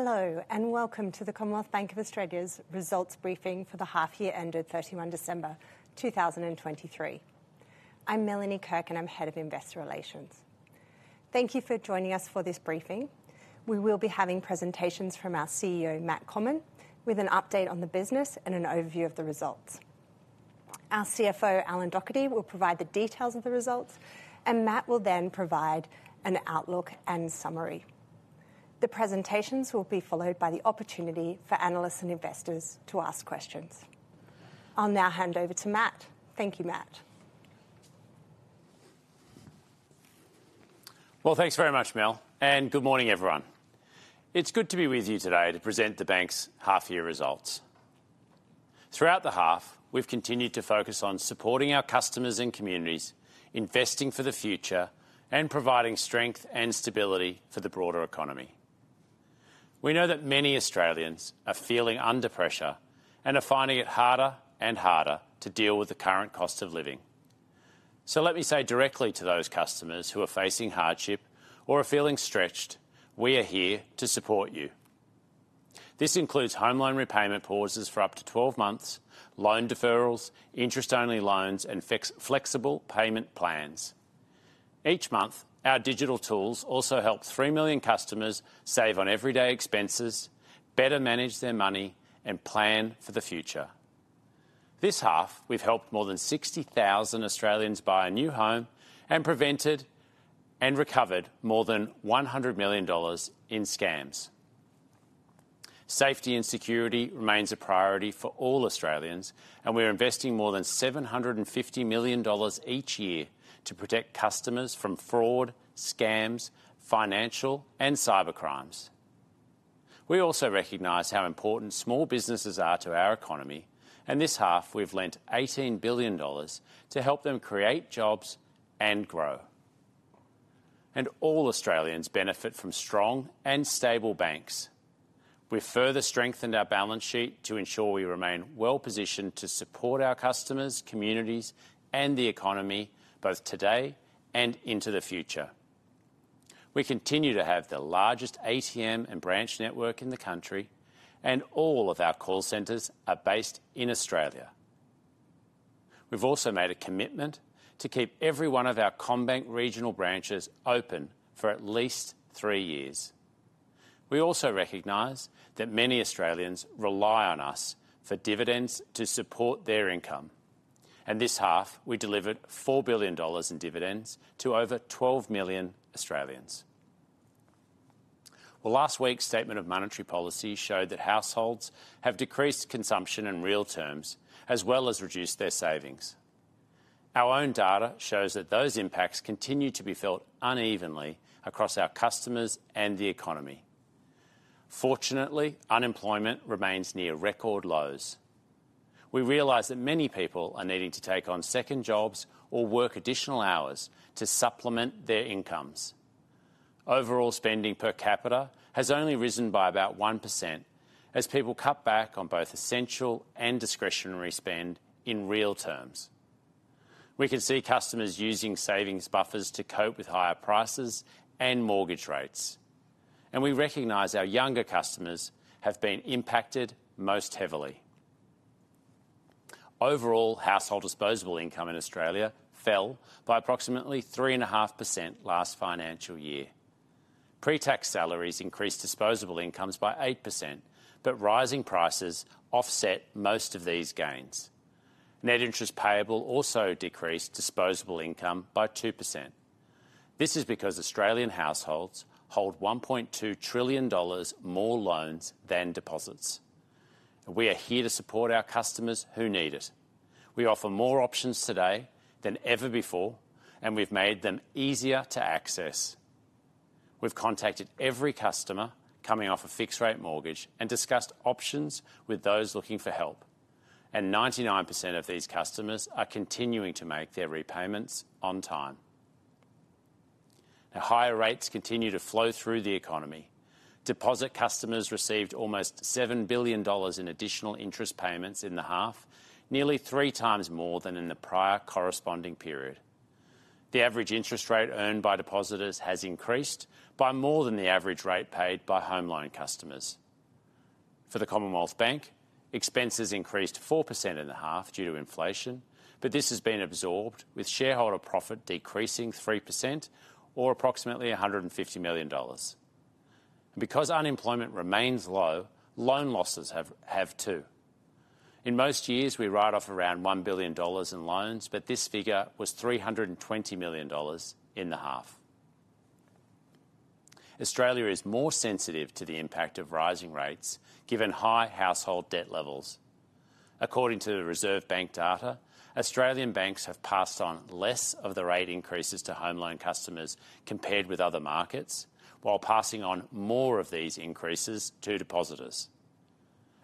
Hello and welcome to the Commonwealth Bank of Australia's results briefing for the half-year ended 31 December 2023. I'm Melanie Kirk and I'm Head of Investor Relations. Thank you for joining us for this briefing. We will be having presentations from our CEO, Matt Comyn, with an update on the business and an overview of the results. Our CFO, Alan Docherty, will provide the details of the results, and Matt will then provide an outlook and summary. The presentations will be followed by the opportunity for analysts and investors to ask questions. I'll now hand over to Matt. Thank you, Matt. Well, thanks very much, Mel, and good morning, everyone. It's good to be with you today to present the bank's half-year results. Throughout the half, we've continued to focus on supporting our customers and communities, investing for the future, and providing strength and stability for the broader economy. We know that many Australians are feeling under pressure and are finding it harder and harder to deal with the current cost of living. So, let me say directly to those customers who are facing hardship or are feeling stretched: We are here to support you. This includes home loan repayment pauses for up to 12 months, loan deferrals, interest-only loans, and flexible payment plans. Each month, our digital tools also help 3 million customers save on everyday expenses, better manage their money, and plan for the future. This half, we've helped more than 60,000 Australians buy a new home and recovered more than 100 million dollars in scams. Safety and security remains a priority for all Australians, and we're investing more than 750 million dollars each year to protect customers from fraud, scams, financial, and cybercrimes. We also recognize how important small businesses are to our economy, and this half we've lent 18 billion dollars to help them create jobs and grow. All Australians benefit from strong and stable banks. We've further strengthened our balance sheet to ensure we remain well-positioned to support our customers, communities, and the economy both today and into the future. We continue to have the largest ATM and branch network in the country, and all of our call centers are based in Australia. We've also made a commitment to keep every one of our CommBank regional branches open for at least three years. We also recognize that many Australians rely on us for dividends to support their income, and this half we delivered 4 billion dollars in dividends to over 12 million Australians. Well, last week's Statement of Monetary Policy showed that households have decreased consumption in real terms as well as reduced their savings. Our own data shows that those impacts continue to be felt unevenly across our customers and the economy. Fortunately, unemployment remains near record lows. We realize that many people are needing to take on second jobs or work additional hours to supplement their incomes. Overall spending per capita has only risen by about 1% as people cut back on both essential and discretionary spend in real terms. We can see customers using savings buffers to cope with higher prices and mortgage rates, and we recognize our younger customers have been impacted most heavily. Overall, household disposable income in Australia fell by approximately 3.5% last financial year. Pre-tax salaries increased disposable incomes by 8%, but rising prices offset most of these gains. Net interest payable also decreased disposable income by 2%. This is because Australian households hold 1.2 trillion dollars more loans than deposits. We are here to support our customers who need it. We offer more options today than ever before, and we've made them easier to access. We've contacted every customer coming off a fixed-rate mortgage and discussed options with those looking for help, and 99% of these customers are continuing to make their repayments on time. Higher rates continue to flow through the economy. Deposit customers received almost 7 billion dollars in additional interest payments in the half, nearly 3x more than in the prior corresponding period. The average interest rate earned by depositors has increased by more than the average rate paid by home loan customers. For the Commonwealth Bank, expenses increased 4% in the half due to inflation, but this has been absorbed, with shareholder profit decreasing 3% or approximately 150 million dollars. Because unemployment remains low, loan losses have, too. In most years, we write off around 1 billion dollars in loans, but this figure was 320 million dollars in the half. Australia is more sensitive to the impact of rising rates given high household debt levels. According to the Reserve Bank data, Australian banks have passed on less of the rate increases to home loan customers compared with other markets, while passing on more of these increases to depositors.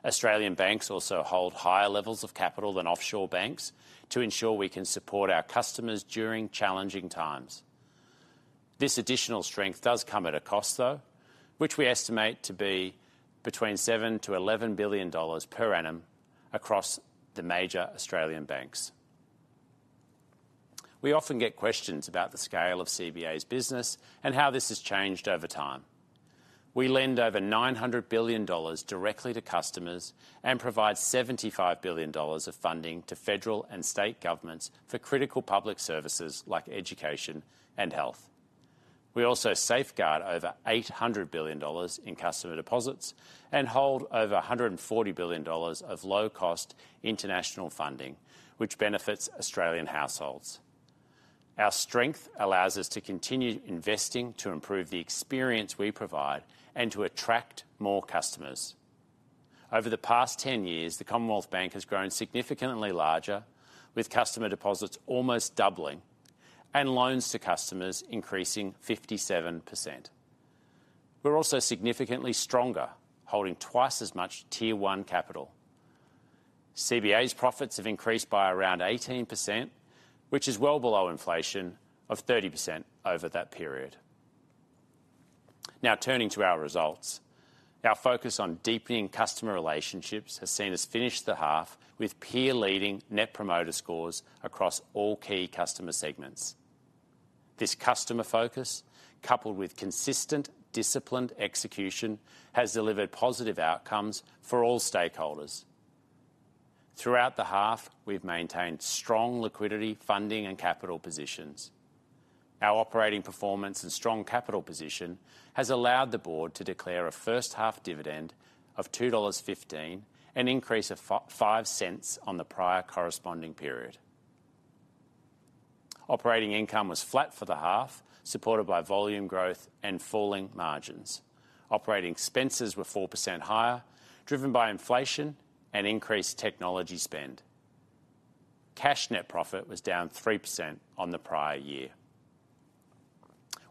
Australian banks also hold higher levels of capital than offshore banks to ensure we can support our customers during challenging times. This additional strength does come at a cost, though, which we estimate to be between 7 billion-11 billion dollars per annum across the major Australian banks. We often get questions about the scale of CBA's business and how this has changed over time. We lend over 900 billion dollars directly to customers and provide 75 billion dollars of funding to federal and state governments for critical public services like education and health. We also safeguard over 800 billion dollars in customer deposits and hold over 140 billion dollars of low-cost international funding, which benefits Australian households. Our strength allows us to continue investing to improve the experience we provide and to attract more customers. Over the past ten years, the Commonwealth Bank has grown significantly larger, with customer deposits almost doubling and loans to customers increasing 57%. We're also significantly stronger, holding twice as much Tier 1 capital. CBA's profits have increased by around 18%, which is well below inflation of 30% over that period. Now, turning to our results. Our focus on deepening customer relationships has seen us finish the half with peer-leading Net Promoter Scores across all key customer segments. This customer focus, coupled with consistent, disciplined execution, has delivered positive outcomes for all stakeholders. Throughout the half, we've maintained strong liquidity, funding, and capital positions. Our operating performance and strong capital position has allowed the board to declare a first-half dividend of 2.15 dollars, an increase of 0.05 on the prior corresponding period. Operating income was flat for the half, supported by volume growth and falling margins. Operating expenses were 4% higher, driven by inflation and increased technology spend. Cash net profit was down 3% on the prior year.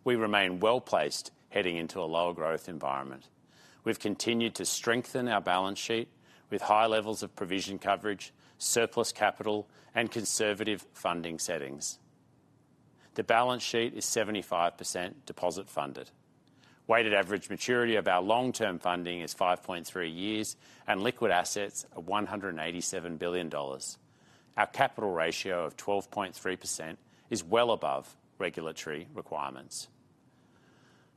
We remain well-placed heading into a lower-growth environment. We've continued to strengthen our balance sheet with high levels of provision coverage, surplus capital, and conservative funding settings. The balance sheet is 75% deposit-funded. Weighted average maturity of our long-term funding is 5.3 years and liquid assets are 187 billion dollars. Our capital ratio of 12.3% is well above regulatory requirements.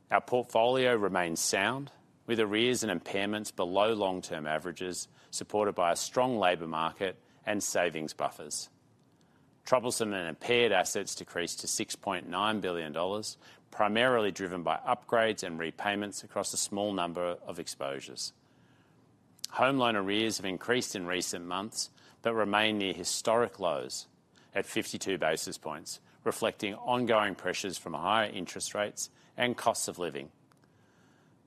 Our portfolio remains sound, with arrears and impairments below long-term averages, supported by a strong labor market and savings buffers. Troublesome and impaired assets decreased to 6.9 billion dollars, primarily driven by upgrades and repayments across a small number of exposures. Home loan arrears have increased in recent months but remain near historic lows at 52 basis points, reflecting ongoing pressures from higher interest rates and costs of living.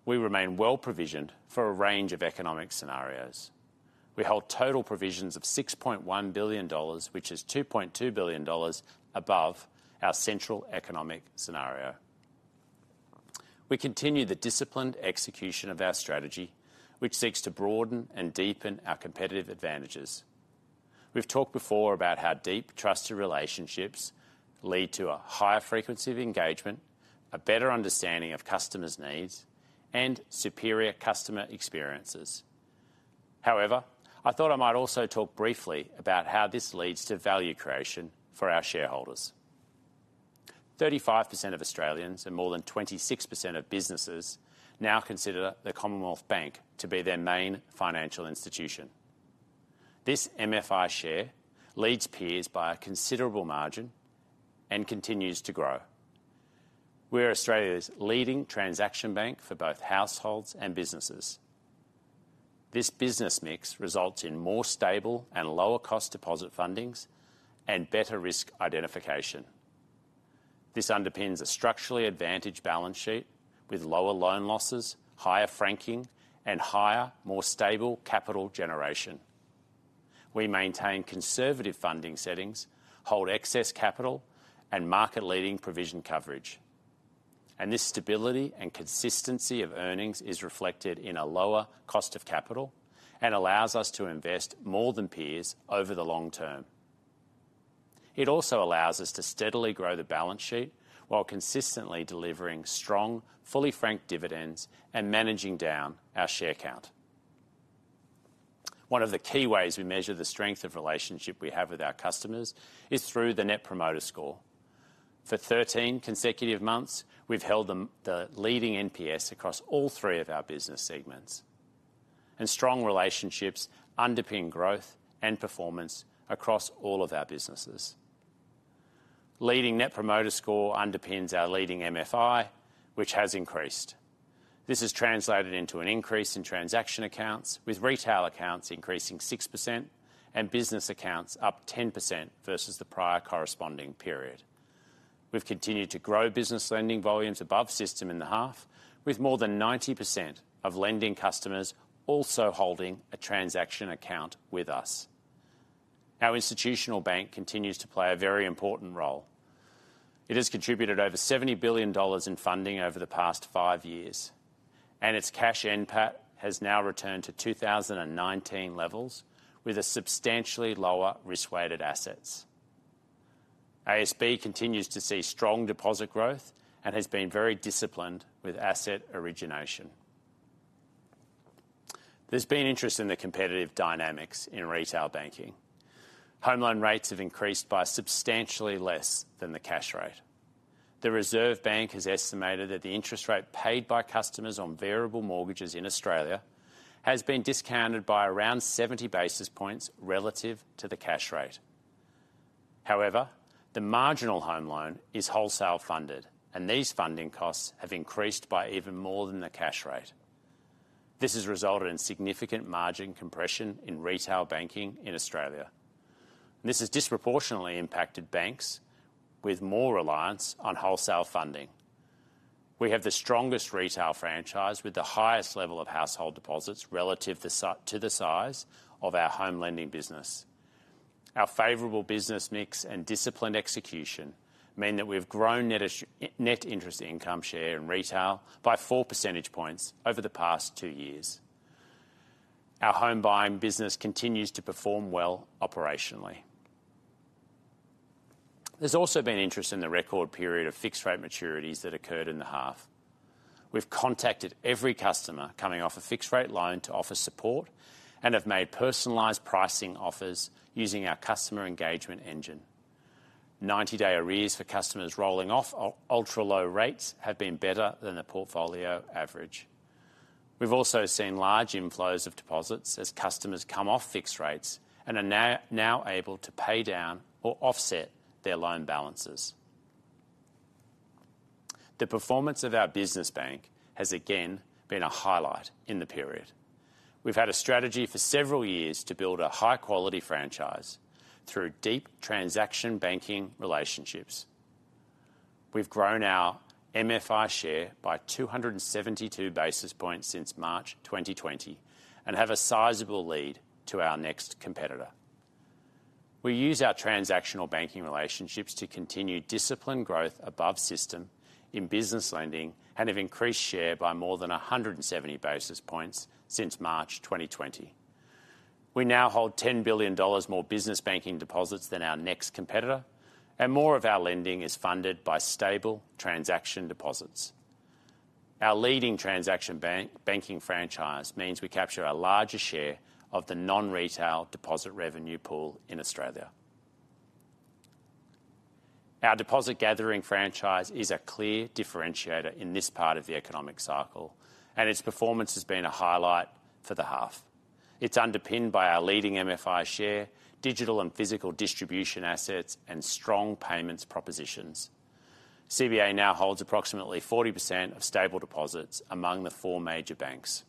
We remain well-provisioned for a range of economic scenarios. We hold total provisions of 6.1 billion dollars, which is 2.2 billion dollars, above our central economic scenario. We continue the disciplined execution of our strategy, which seeks to broaden and deepen our competitive advantages. We've talked before about how deep trusted relationships lead to a higher frequency of engagement, a better understanding of customers' needs, and superior customer experiences. However, I thought I might also talk briefly about how this leads to value creation for our shareholders. 35% of Australians and more than 26% of businesses now consider the Commonwealth Bank to be their main financial institution. This MFI share leads peers by a considerable margin and continues to grow. We're Australia's leading transaction bank for both households and businesses. This business mix results in more stable and lower-cost deposit fundings and better risk identification. This underpins a structurally advantaged balance sheet with lower loan losses, higher franking, and higher, more stable capital generation. We maintain conservative funding settings, hold excess capital, and market-leading provision coverage, and this stability and consistency of earnings is reflected in a lower cost of capital and allows us to invest more than peers over the long term. It also allows us to steadily grow the balance sheet while consistently delivering strong, fully frank dividends and managing down our share count. One of the key ways we measure the strength of relationship we have with our customers is through the Net Promoter Score. For 13 consecutive months, we've held the leading NPS across all three of our business segments, and strong relationships underpin growth and performance across all of our businesses. Leading Net Promoter Score underpins our leading MFI, which has increased. This has translated into an increase in transaction accounts, with retail accounts increasing 6% and business accounts up 10% versus the prior corresponding period. We've continued to grow business lending volumes above system in the half, with more than 90% of lending customers also holding a transaction account with us. Our institutional bank continues to play a very important role. It has contributed over 70 billion dollars in funding over the past five years, and its cash NPAT has now returned to 2019 levels with a substantially lower risk-weighted assets. ASB continues to see strong deposit growth and has been very disciplined with asset origination. There's been interest in the competitive dynamics in retail banking. Home loan rates have increased by substantially less than the cash rate. The Reserve Bank has estimated that the interest rate paid by customers on variable mortgages in Australia has been discounted by around 70 basis points relative to the cash rate. However, the marginal home loan is wholesale-funded, and these funding costs have increased by even more than the cash rate. This has resulted in significant margin compression in retail banking in Australia, and this has disproportionately impacted banks, with more reliance on wholesale funding. We have the strongest retail franchise with the highest level of household deposits relative to the size of our home lending business. Our favorable business mix and disciplined execution mean that we have grown Net Interest Income share in retail by four percentage points over the past two years. Our home buying business continues to perform well operationally. There's also been interest in the record period of fixed-rate maturities that occurred in the half. We've contacted every customer coming off a fixed-rate loan to offer support and have made personalized pricing offers using our Customer Engagement Engine. 90-day arrears for customers rolling off ultra-low rates have been better than the portfolio average. We've also seen large inflows of deposits as customers come off fixed rates and are now able to pay down or offset their loan balances. The performance of our business bank has, again, been a highlight in the period. We've had a strategy for several years to build a high-quality franchise through deep transaction banking relationships. We've grown our MFI share by 272 basis points since March 2020 and have a sizable lead to our next competitor. We use our transactional banking relationships to continue disciplined growth above system in business lending and have increased share by more than 170 basis points since March 2020. We now hold 10 billion dollars more business banking deposits than our next competitor, and more of our lending is funded by stable transaction deposits. Our leading transaction banking franchise means we capture a larger share of the non-retail deposit revenue pool in Australia. Our deposit-gathering franchise is a clear differentiator in this part of the economic cycle, and its performance has been a highlight for the half. It's underpinned by our leading MFI share, digital and physical distribution assets, and strong payments propositions. CBA now holds approximately 40% of stable deposits among the four major banks.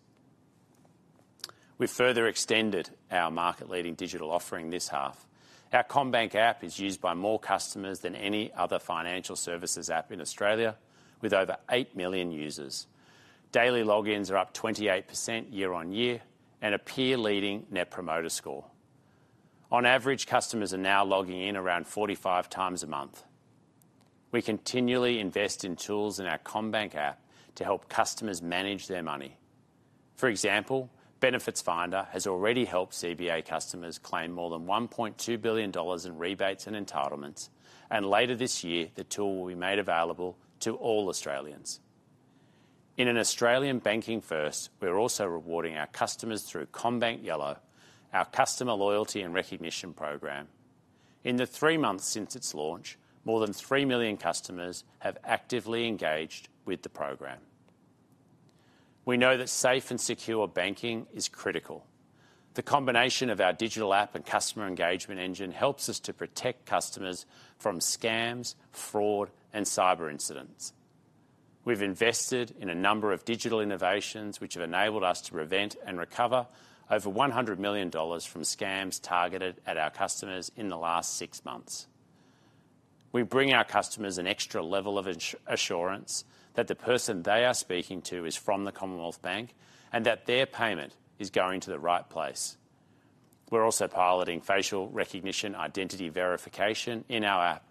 We've further extended our market-leading digital offering this half. Our CommBank app is used by more customers than any other financial services app in Australia, with over 8 million users. Daily logins are up 28% year-on-year and a peer-leading Net Promoter Score. On average, customers are now logging in around 45x a month. We continually invest in tools in our CommBank app to help customers manage their money. For example, Benefits Finder has already helped CBA customers claim more than 1.2 billion dollars in rebates and entitlements, and later this year, the tool will be made available to all Australians. In an Australian banking first, we're also rewarding our customers through CommBank Yello, our customer loyalty and recognition program. In the three months since its launch, more than 3 million customers have actively engaged with the program. We know that safe and secure banking is critical. The combination of our digital app and Customer Engagement Engine helps us to protect customers from scams, fraud, and cyber incidents. We've invested in a number of digital innovations which have enabled us to prevent and recover over 100 million dollars from scams targeted at our customers in the last six months. We bring our customers an extra level of assurance that the person they are speaking to is from the Commonwealth Bank and that their payment is going to the right place. We're also piloting facial recognition identity verification in our app.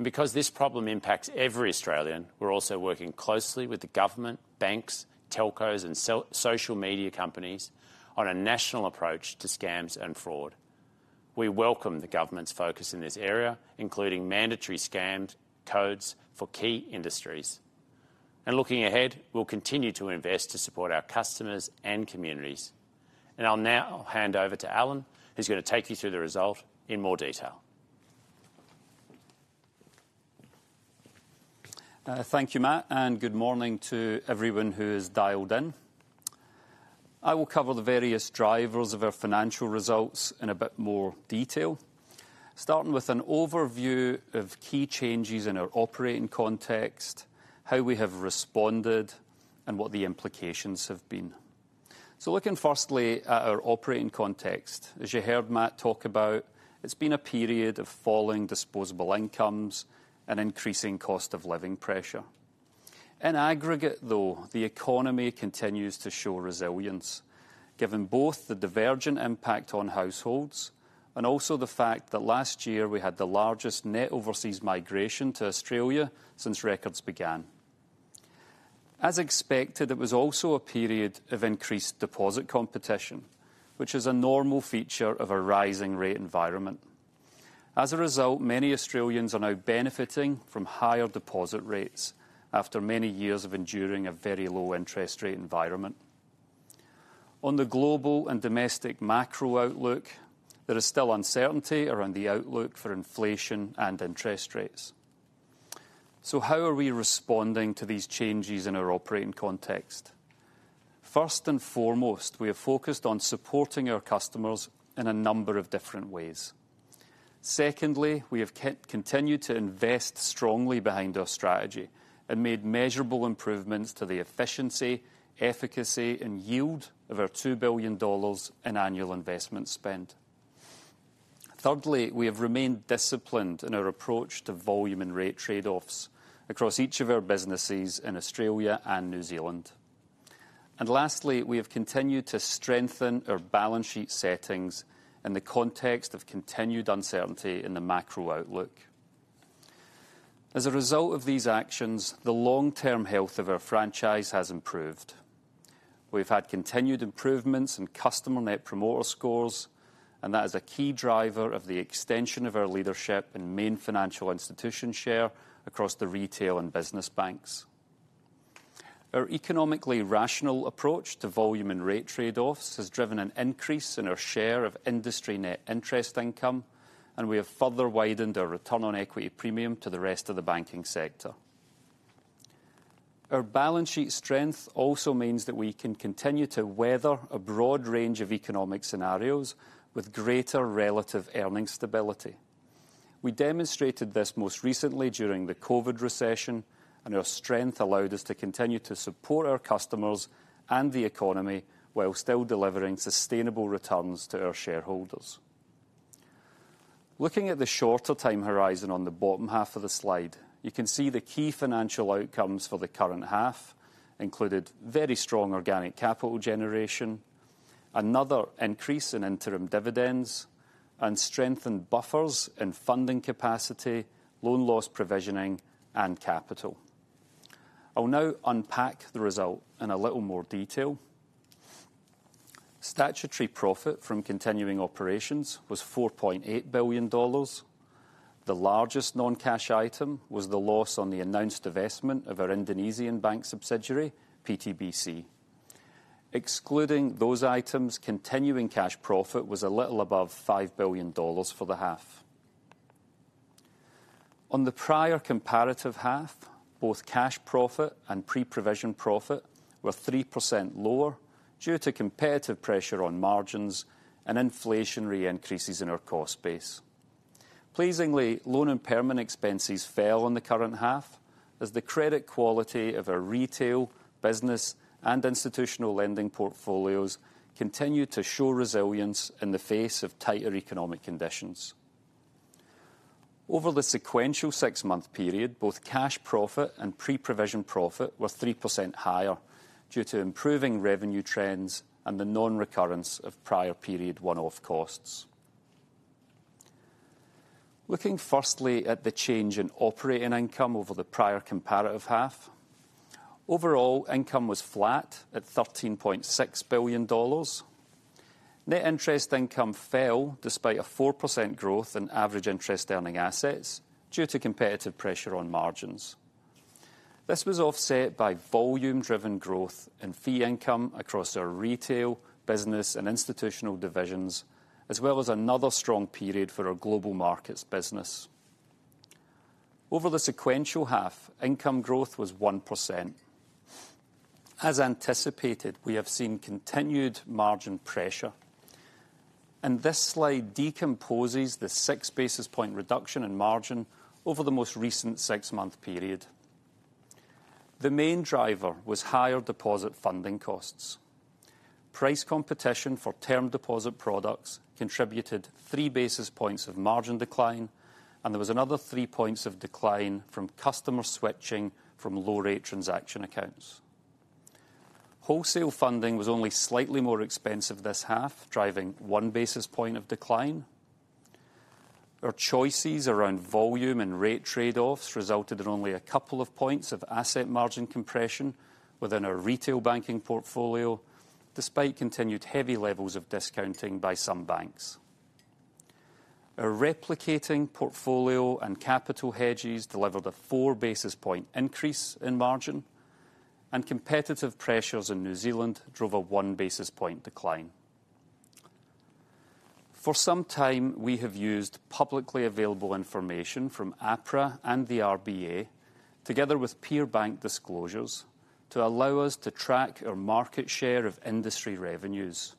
Because this problem impacts every Australian, we're also working closely with the government, banks, telcos, and social media companies on a national approach to scams and fraud. We welcome the government's focus in this area, including mandatory scam codes for key industries. Looking ahead, we'll continue to invest to support our customers and communities. I'll now hand over to Alan, who's going to take you through the result in more detail. Thank you, Matt, and good morning to everyone who has dialed in. I will cover the various drivers of our financial results in a bit more detail, starting with an overview of key changes in our operating context, how we have responded, and what the implications have been. Looking firstly at our operating context, as you heard Matt talk about, it's been a period of falling disposable incomes and increasing cost-of-living pressure. In aggregate, though, the economy continues to show resilience, given both the divergent impact on households and also the fact that last year we had the largest net overseas migration to Australia since records began. As expected, it was also a period of increased deposit competition, which is a normal feature of a rising-rate environment. As a result, many Australians are now benefiting from higher deposit rates after many years of enduring a very low-interest-rate environment. On the global and domestic macro outlook, there is still uncertainty around the outlook for inflation and interest rates. So, how are we responding to these changes in our operating context? First and foremost, we have focused on supporting our customers in a number of different ways. Secondly, we have continued to invest strongly behind our strategy and made measurable improvements to the efficiency, efficacy, and yield of our 2 billion dollars in annual investment spend. Thirdly, we have remained disciplined in our approach to volume and rate trade-offs across each of our businesses in Australia and New Zealand. And lastly, we have continued to strengthen our balance sheet settings in the context of continued uncertainty in the macro outlook. As a result of these actions, the long-term health of our franchise has improved. We have had continued improvements in customer Net Promoter Scores, and that is a key driver of the extension of our leadership in main financial institution share across the retail and business banks. Our economically rational approach to volume and rate trade-offs has driven an increase in our share of industry Net Interest Income, and we have further widened our return on equity premium to the rest of the banking sector. Our balance sheet strength also means that we can continue to weather a broad range of economic scenarios with greater relative earnings stability. We demonstrated this most recently during the COVID recession, and our strength allowed us to continue to support our customers and the economy while still delivering sustainable returns to our shareholders. Looking at the shorter-term horizon on the bottom half of the slide, you can see the key financial outcomes for the current half included very strong organic capital generation, another increase in interim dividends, and strengthened buffers in funding capacity, loan loss provisioning, and capital. I will now unpack the result in a little more detail. Statutory profit from continuing operations was 4.8 billion dollars. The largest non-cash item was the loss on the announced divestment of our Indonesian bank subsidiary, PTBC. Excluding those items, continuing cash profit was a little above 5 billion dollars for the half. On the prior comparative half, both cash profit and pre-provision profit were 3% lower due to competitive pressure on margins and inflationary increases in our cost base. Pleasingly, loan and operating expenses fell on the current half, as the credit quality of our retail, business, and institutional lending portfolios continued to show resilience in the face of tighter economic conditions. Over the sequential six-month period, both cash profit and pre-provision profit were 3% higher due to improving revenue trends and the non-recurrence of prior period one-off costs. Looking firstly at the change in operating income over the prior comparative half, overall income was flat at AUD 13.6 billion. Net Interest Income fell despite a 4% growth in average interest-earning assets due to competitive pressure on margins. This was offset by volume-driven growth in fee income across our retail, business, and institutional divisions, as well as another strong period for our global markets business. Over the sequential half, income growth was 1%. As anticipated, we have seen continued margin pressure, and this slide decomposes the six basis point reduction in margin over the most recent six-month period. The main driver was higher deposit funding costs. Price competition for term deposit products contributed three basis points of margin decline, and there was another three points of decline from customer switching from low-rate transaction accounts. Wholesale funding was only slightly more expensive this half, driving one basis point of decline. Our choices around volume and rate trade-offs resulted in only a couple of points of asset margin compression within our retail banking portfolio, despite continued heavy levels of discounting by some banks. Our Replicating Portfolio and capital hedges delivered a four basis point increase in margin, and competitive pressures in New Zealand drove a one basis point decline. For some time, we have used publicly available information from APRA and the RBA, together with peer bank disclosures, to allow us to track our market share of industry revenues.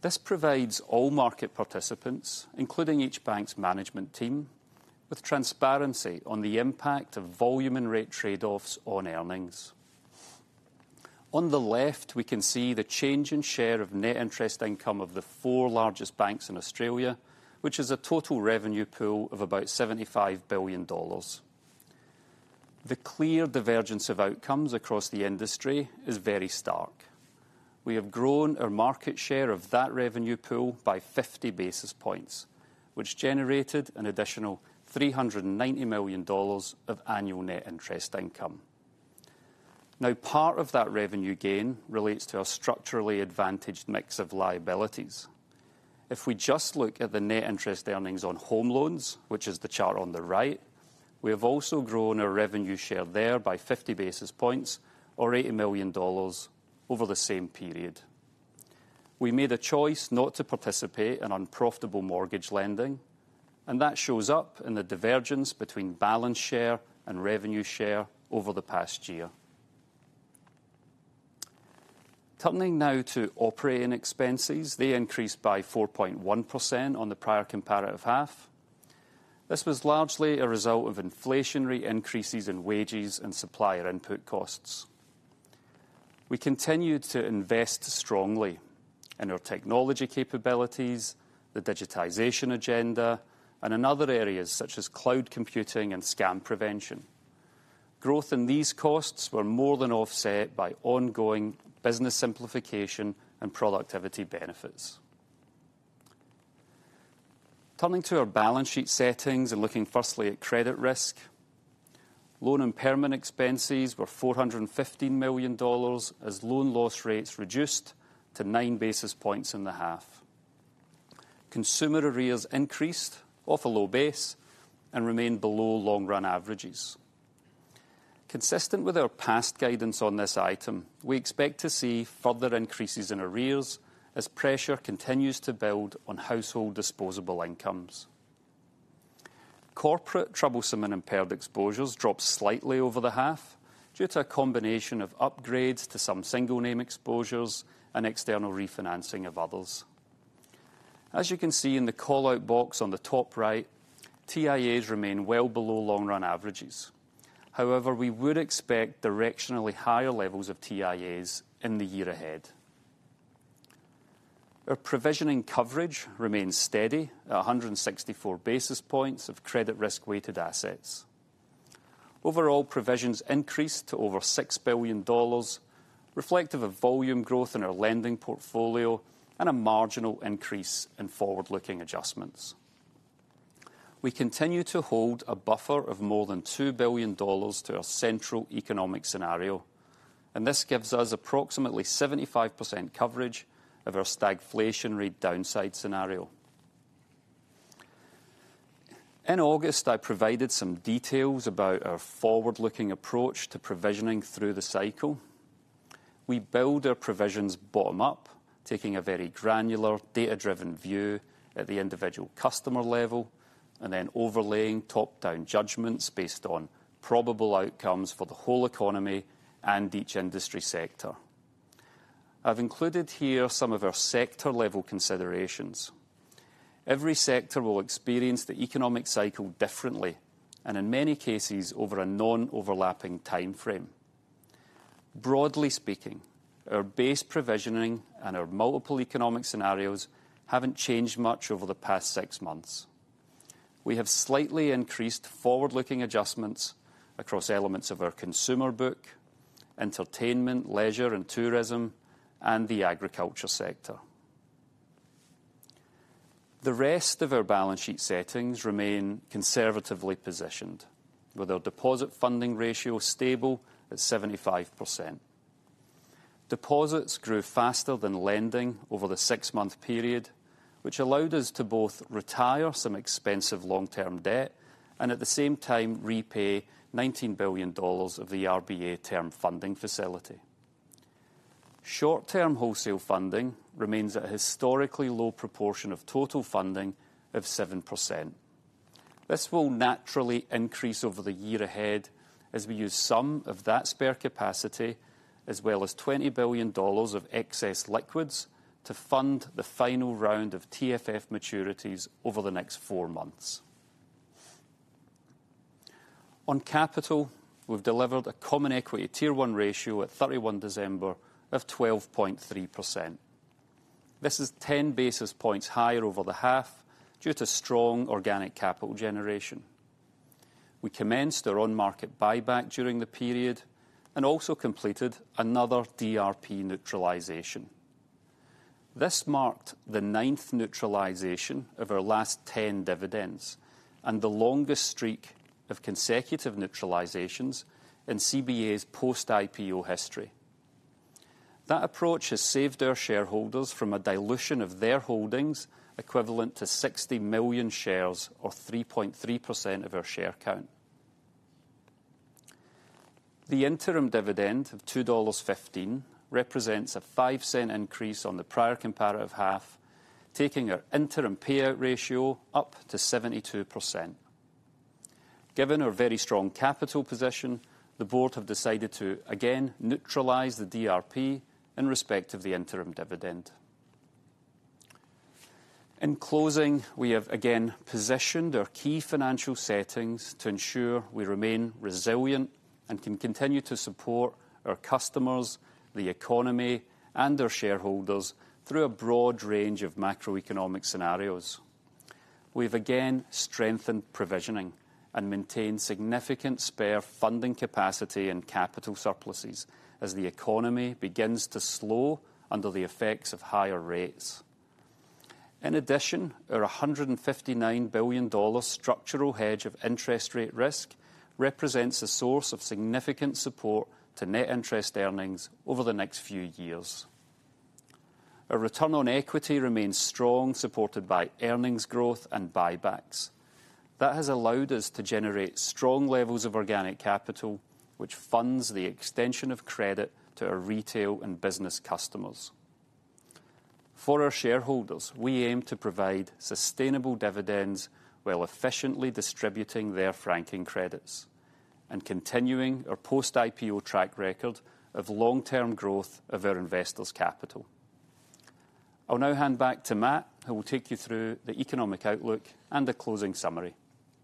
This provides all market participants, including each bank's management team, with transparency on the impact of volume and rate trade-offs on earnings. On the left, we can see the change in share of Net Interest Income of the four largest banks in Australia, which is a total revenue pool of about 75 billion dollars. The clear divergence of outcomes across the industry is very stark. We have grown our market share of that revenue pool by 50 basis points, which generated an additional 390 million dollars of annual Net Interest Income. Now, part of that revenue gain relates to our structurally advantaged mix of liabilities. If we just look at the net interest earnings on home loans, which is the chart on the right, we have also grown our revenue share there by 50 basis points, or 80 million dollars, over the same period. We made a choice not to participate in unprofitable mortgage lending, and that shows up in the divergence between balance share and revenue share over the past year. Turning now to operating expenses, they increased by 4.1% on the prior comparative half. This was largely a result of inflationary increases in wages and supplier input costs. We continued to invest strongly in our technology capabilities, the digitization agenda, and in other areas such as cloud computing and scam prevention. Growth in these costs were more than offset by ongoing business simplification and productivity benefits. Turning to our balance sheet settings and looking firstly at credit risk, loan and impairment expenses were 415 million dollars as loan loss rates reduced to nine basis points in the half. Consumer arrears increased off a low base and remain below long-run averages. Consistent with our past guidance on this item, we expect to see further increases in arrears as pressure continues to build on household disposable incomes. Corporate troublesome and impaired exposures dropped slightly over the half due to a combination of upgrades to some single-name exposures and external refinancing of others. As you can see in the callout box on the top right, TIAs remain well below long-run averages. However, we would expect directionally higher levels of TIAs in the year ahead. Our provisioning coverage remains steady at 164 basis points of credit risk-weighted assets. Overall, provisions increased to over 6 billion dollars, reflective of volume growth in our lending portfolio and a marginal increase in forward-looking adjustments. We continue to hold a buffer of more than 2 billion dollars to our central economic scenario, and this gives us approximately 75% coverage of our stagflation-rate downside scenario. In August, I provided some details about our forward-looking approach to provisioning through the cycle. We build our provisions bottom up, taking a very granular, data-driven view at the individual customer level, and then overlaying top-down judgments based on probable outcomes for the whole economy and each industry sector. I have included here some of our sector-level considerations. Every sector will experience the economic cycle differently and, in many cases, over a non-overlapping timeframe. Broadly speaking, our base provisioning and our multiple economic scenarios haven't changed much over the past six months. We have slightly increased forward-looking adjustments across elements of our consumer book, entertainment, leisure, and tourism, and the agriculture sector. The rest of our balance sheet settings remain conservatively positioned, with our deposit funding ratio stable at 75%. Deposits grew faster than lending over the six-month period, which allowed us to both retire some expensive long-term debt and, at the same time, repay AUD 19 billion of the RBA Term Funding Facility. Short-term wholesale funding remains at a historically low proportion of total funding of 7%. This will naturally increase over the year ahead as we use some of that spare capacity, as well as 20 billion dollars of excess liquids, to fund the final round of TFF maturities over the next four months. On capital, we have delivered a Common Equity Tier 1 ratio at 31 December of 12.3%. This is 10 basis points higher over the half due to strong organic capital generation. We commenced our on-market buyback during the period and also completed another DRP neutralisation. This marked the ninth neutralisation of our last 10 dividends and the longest streak of consecutive neutralisations in CBA's post-IPO history. That approach has saved our shareholders from a dilution of their holdings equivalent to 60 million shares, or 3.3% of our share count. The interim dividend of 2.15 dollars represents an 0.05 increase on the prior comparative half, taking our interim payout ratio up to 72%. Given our very strong capital position, the Board have decided to, again, neutralise the DRP in respect of the interim dividend. In closing, we have, again, positioned our key financial settings to ensure we remain resilient and can continue to support our customers, the economy, and our shareholders through a broad range of macroeconomic scenarios. We have, again, strengthened provisioning and maintained significant spare funding capacity and capital surpluses as the economy begins to slow under the effects of higher rates. In addition, our 159 billion dollar structural hedge of interest rate risk represents a source of significant support to net interest earnings over the next few years. Our return on equity remains strong, supported by earnings growth and buybacks. That has allowed us to generate strong levels of organic capital, which funds the extension of credit to our retail and business customers. For our shareholders, we aim to provide sustainable dividends while efficiently distributing their franking credits and continuing our post-IPO track record of long-term growth of our investors' capital. I will now hand back to Matt, who will take you through the economic outlook and a closing summary.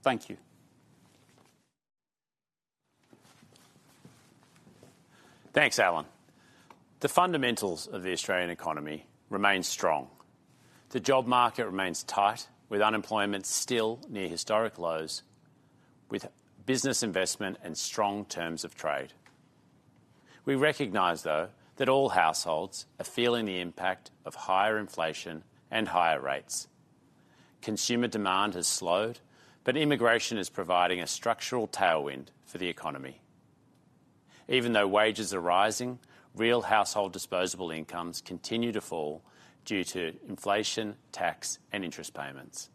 Thank you. Thanks, Alan. The fundamentals of the Australian economy remain strong. The job market remains tight, with unemployment still near historic lows, with business investment and strong terms of trade. We recognize, though, that all households are feeling the impact of higher inflation and higher rates. Consumer demand has slowed, but immigration is providing a structural tailwind for the economy. Even though wages are rising, real household disposable incomes continue to fall due to inflation, tax, and interest payments.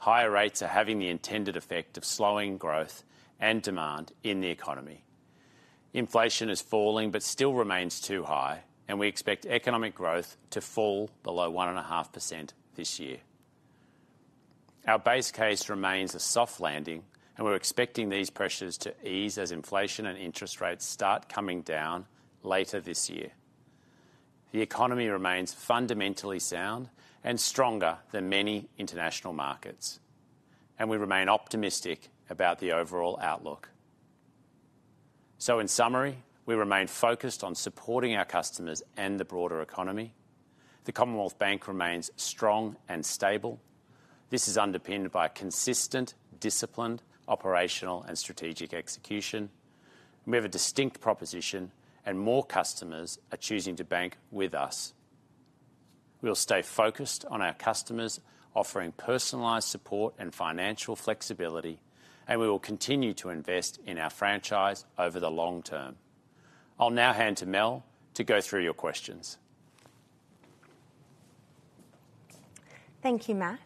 Higher rates are having the intended effect of slowing growth and demand in the economy. Inflation is falling, but still remains too high, and we expect economic growth to fall below 1.5% this year. Our base case remains a soft landing, and we are expecting these pressures to ease as inflation and interest rates start coming down later this year. The economy remains fundamentally sound and stronger than many international markets, and we remain optimistic about the overall outlook. In summary, we remain focused on supporting our customers and the broader economy. The Commonwealth Bank remains strong and stable. This is underpinned by consistent, disciplined operational and strategic execution. We have a distinct proposition, and more customers are choosing to bank with us. We will stay focused on our customers, offering personalized support and financial flexibility, and we will continue to invest in our franchise over the long term. I will now hand to Mel to go through your questions. Thank you, Matt.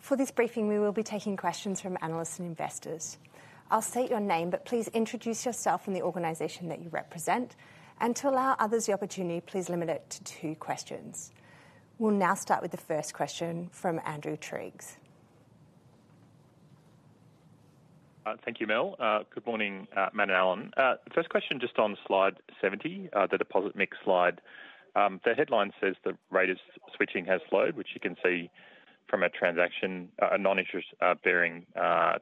For this briefing, we will be taking questions from analysts and investors. I will state your name, but please introduce yourself and the organization that you represent. And to allow others the opportunity, please limit it to two questions. We will now start with the first question from Andrew Triggs. Thank you, Mel. Good morning, Matt and Alan. First question just on slide 70, the deposit mix slide. The headline says the rate of switching has slowed, which you can see from a non-interest-bearing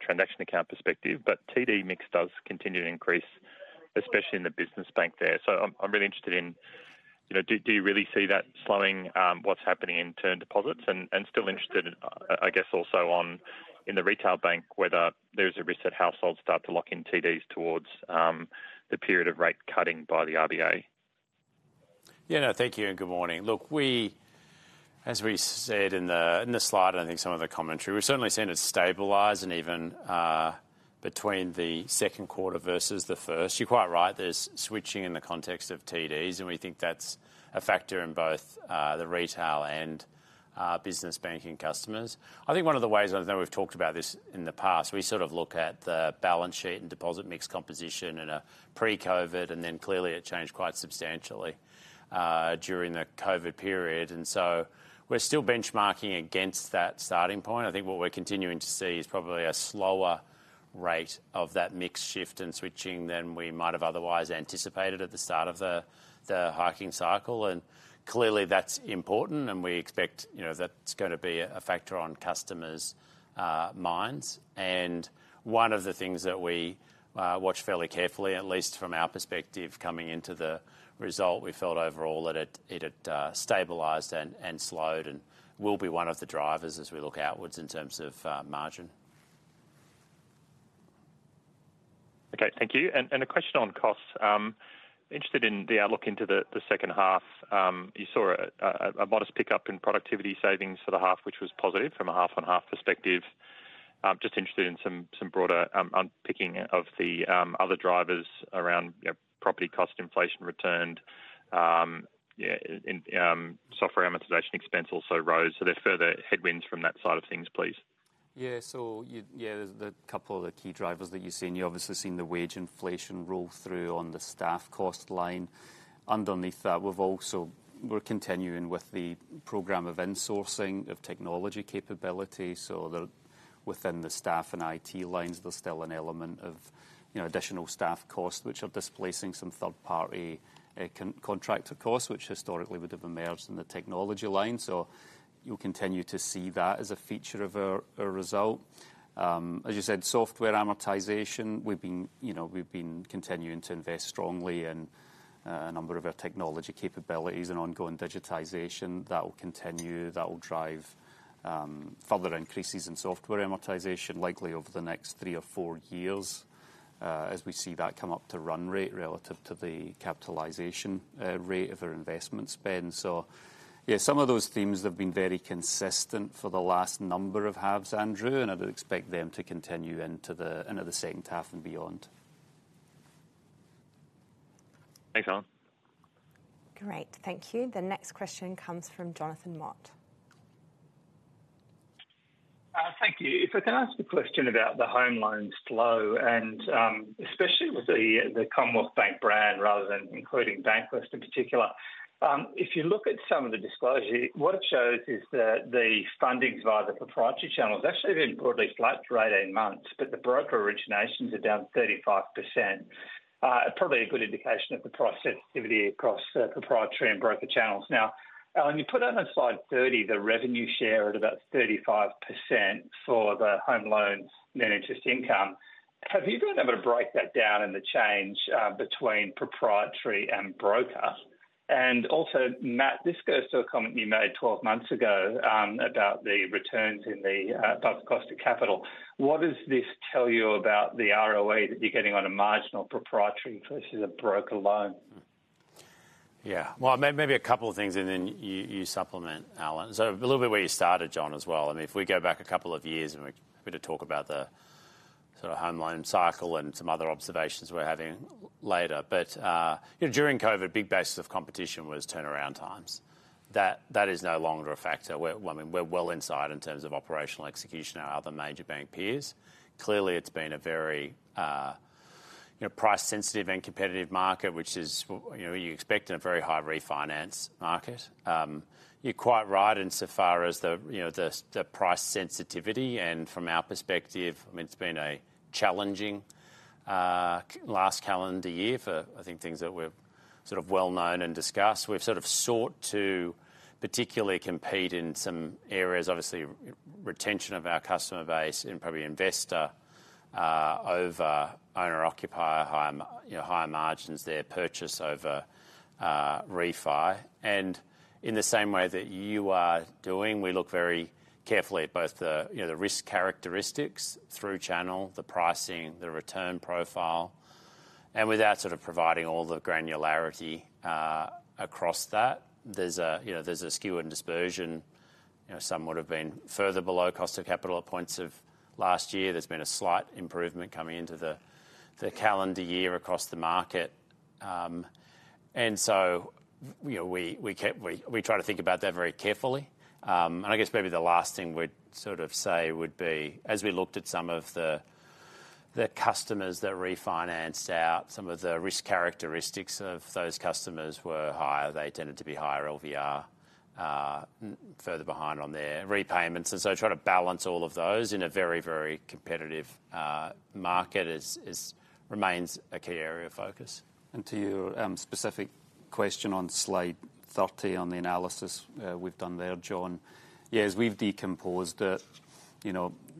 transaction account perspective. But TD mix does continue to increase, especially in the business bank there. So I'm really interested in, do you really see that slowing what's happening in term deposits? And still interested, I guess, also in the retail bank, whether there is a risk that households start to lock in TDs towards the period of rate cutting by the RBA. Yeah, no, thank you and good morning. Look, as we said in the slide and I think some of the commentary, we're certainly seeing it stabilize and even between the second quarter versus the first. You're quite right. There's switching in the context of TDs, and we think that's a factor in both the retail and business banking customers. I think one of the ways I know we've talked about this in the past, we sort of look at the balance sheet and deposit mix composition in a pre-COVID, and then clearly it changed quite substantially during the COVID period. And so we're still benchmarking against that starting point. I think what we're continuing to see is probably a slower rate of that mix shift and switching than we might have otherwise anticipated at the start of the hiking cycle. And clearly, that's important, and we expect that's going to be a factor on customers' minds. One of the things that we watch fairly carefully, at least from our perspective coming into the result, we felt overall that it stabilized and slowed and will be one of the drivers as we look outwards in terms of margin. OK, thank you. A question on costs. Interested in the outlook into the second half. You saw a modest pickup in productivity savings for the half, which was positive from a half-on-half perspective. Just interested in some broader unpicking of the other drivers around property cost, inflation returned. Software amortization expense also rose. So there are further headwinds from that side of things, please. Yeah, so yeah, there's a couple of the key drivers that you've seen. You've obviously seen the wage inflation roll through on the staff cost line. Underneath that, we're continuing with the program of insourcing of technology capability. So within the staff and IT lines, there's still an element of additional staff costs, which are displacing some third-party contractor costs, which historically would have emerged in the technology line. So you'll continue to see that as a feature of our result. As you said, software amortization, we've been continuing to invest strongly in a number of our technology capabilities and ongoing digitization. That will continue. That will drive further increases in software amortization, likely over the next three or four years, as we see that come up to run rate relative to the capitalization rate of our investment spend. So, yeah, some of those themes have been very consistent for the last number of halves, Andrew, and I'd expect them to continue into the second half and beyond. Thanks, Alan. Great, thank you. The next question comes from Jonathan Mott. Thank you. If I can ask a question about the home loan flow, and especially with the Commonwealth Bank brand rather than including Bankwest in particular, if you look at some of the disclosure, what it shows is that the fundings via the proprietary channels actually have been broadly flat for 18 months, but the broker originations are down 35%, probably a good indication of the price sensitivity across proprietary and broker channels. Now, Alan, you put out on slide 30 the revenue share at about 35% for the home loan non-interest income. Have you been able to break that down in the change between proprietary and broker? And also, Matt, this goes to a comment you made 12 months ago about the returns in the above-cost of capital. What does this tell you about the ROA that you're getting on a marginal proprietary versus a broker loan? Yeah, well, maybe a couple of things, and then you supplement, Alan. So a little bit where you started, Jon, as well. I mean, if we go back a couple of years and we're happy to talk about the sort of home loan cycle and some other observations we're having later. But during COVID, big basis of competition was turnaround times. That is no longer a factor. I mean, we're well inside in terms of operational execution our other major bank peers. Clearly, it's been a very price-sensitive and competitive market, which is what you expect in a very high refinance market. You're quite right insofar as the price sensitivity. And from our perspective, I mean, it's been a challenging last calendar year for, I think, things that we're sort of well-known and discuss. We've sort of sought to particularly compete in some areas, obviously, retention of our customer base and probably investor over owner-occupier, higher margins there, purchase over refi. In the same way that you are doing, we look very carefully at both the risk characteristics through channel, the pricing, the return profile. Without sort of providing all the granularity across that, there's a skew and dispersion. Some would have been further below cost of capital at points of last year. There's been a slight improvement coming into the calendar year across the market. We try to think about that very carefully. I guess maybe the last thing we'd sort of say would be, as we looked at some of the customers that refinanced out, some of the risk characteristics of those customers were higher. They tended to be higher LVR, further behind on their repayments. And so trying to balance all of those in a very, very competitive market remains a key area of focus. And to your specific question on slide 30 on the analysis we've done there, Jon, yeah, as we've decomposed it,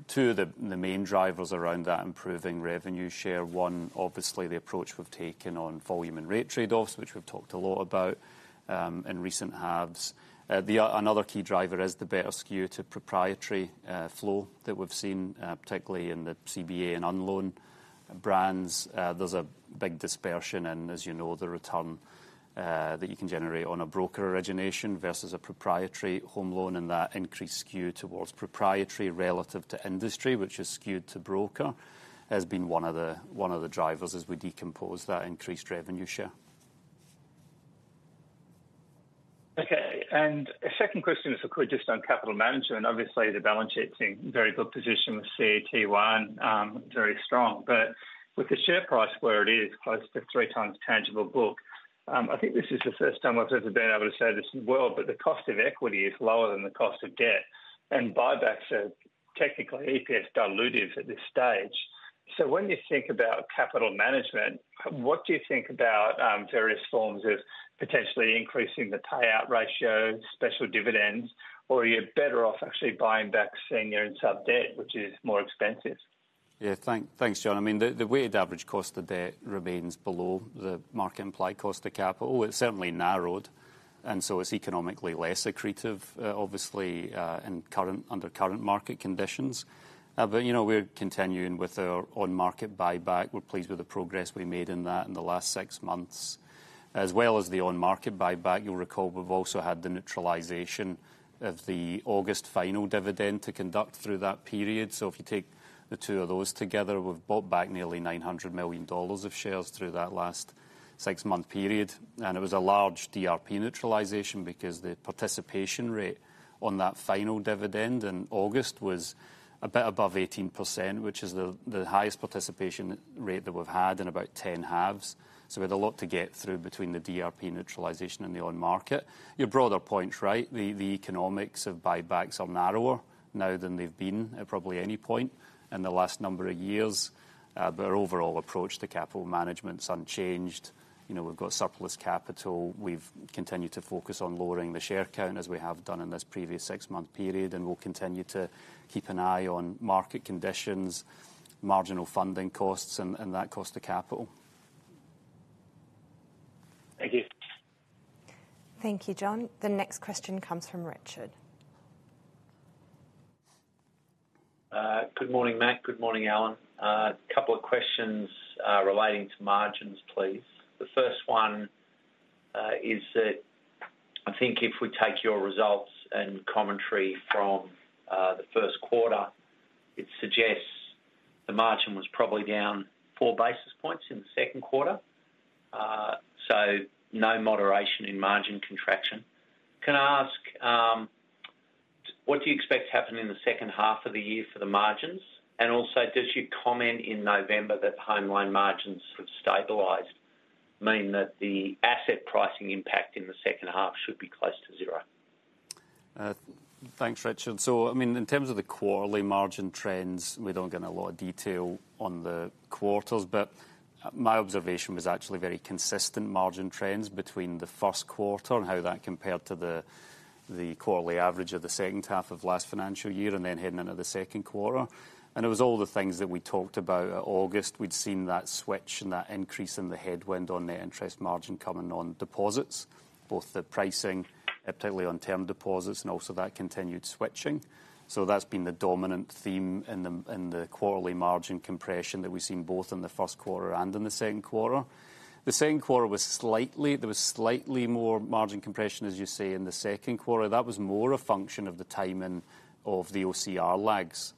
two of the main drivers around that improving revenue share, one, obviously, the approach we've taken on volume and rate trade-offs, which we've talked a lot about in recent halves. Another key driver is the better skew to proprietary flow that we've seen, particularly in the CBA and Unloan brands. There's a big dispersion in, as you know, the return that you can generate on a broker origination versus a proprietary home loan. And that increased skew towards proprietary relative to industry, which is skewed to broker, has been one of the drivers as we decompose that increased revenue share. OK, and a second question, if I could, just on capital management. Obviously, the balance sheet's in very good position with CET1, very strong. But with the share price where it is, close to three times tangible book, I think this is the first time I've ever been able to say this in the world, but the cost of equity is lower than the cost of debt. And buybacks are technically EPS dilutive at this stage. So when you think about capital management, what do you think about various forms of potentially increasing the payout ratio, special dividends, or are you better off actually buying back senior and sub debt, which is more expensive? Yeah, thanks, Jon. I mean, the weighted average cost of debt remains below the market implied cost of capital. It's certainly narrowed, and so it's economically less accretive, obviously, under current market conditions. But we're continuing with our on-market buyback. We're pleased with the progress we made in that in the last six months. As well as the on-market buyback, you'll recall we've also had the neutralisation of the August final dividend to conduct through that period. So if you take the two of those together, we've bought back nearly 900 million dollars of shares through that last six-month period. And it was a large DRP neutralisation because the participation rate on that final dividend in August was a bit above 18%, which is the highest participation rate that we've had in about 10 halves. So we had a lot to get through between the DRP neutralisation and the on-market. Your broader point's right. The economics of buybacks are narrower now than they've been at probably any point in the last number of years. But our overall approach to capital management's unchanged. We've got surplus capital. We've continued to focus on lowering the share count as we have done in this previous six-month period. We'll continue to keep an eye on market conditions, marginal funding costs, and that cost of capital. Thank you. Thank you, Jon. The next question comes from Richard. Good morning, Matt. Good morning, Alan. A couple of questions relating to margins, please. The first one is that I think if we take your results and commentary from the first quarter, it suggests the margin was probably down four basis points in the second quarter, so no moderation in margin contraction. Can I ask, what do you expect to happen in the second half of the year for the margins? And also, did you comment in November that home loan margins have stabilized? Meaning that the asset pricing impact in the second half should be close to zero. Thanks, Richard. So, I mean, in terms of the quarterly margin trends, we don't get a lot of detail on the quarters. But my observation was actually very consistent margin trends between the first quarter and how that compared to the quarterly average of the second half of last financial year and then heading into the second quarter. And it was all the things that we talked about at August. We'd seen that switch and that increase in the headwind on net interest margin coming on deposits, both the pricing, particularly on term deposits, and also that continued switching. So that's been the dominant theme in the quarterly margin compression that we've seen both in the first quarter and in the second quarter. The second quarter was slightly more margin compression, as you say, in the second quarter. That was more a function of the timing of the OCR lags.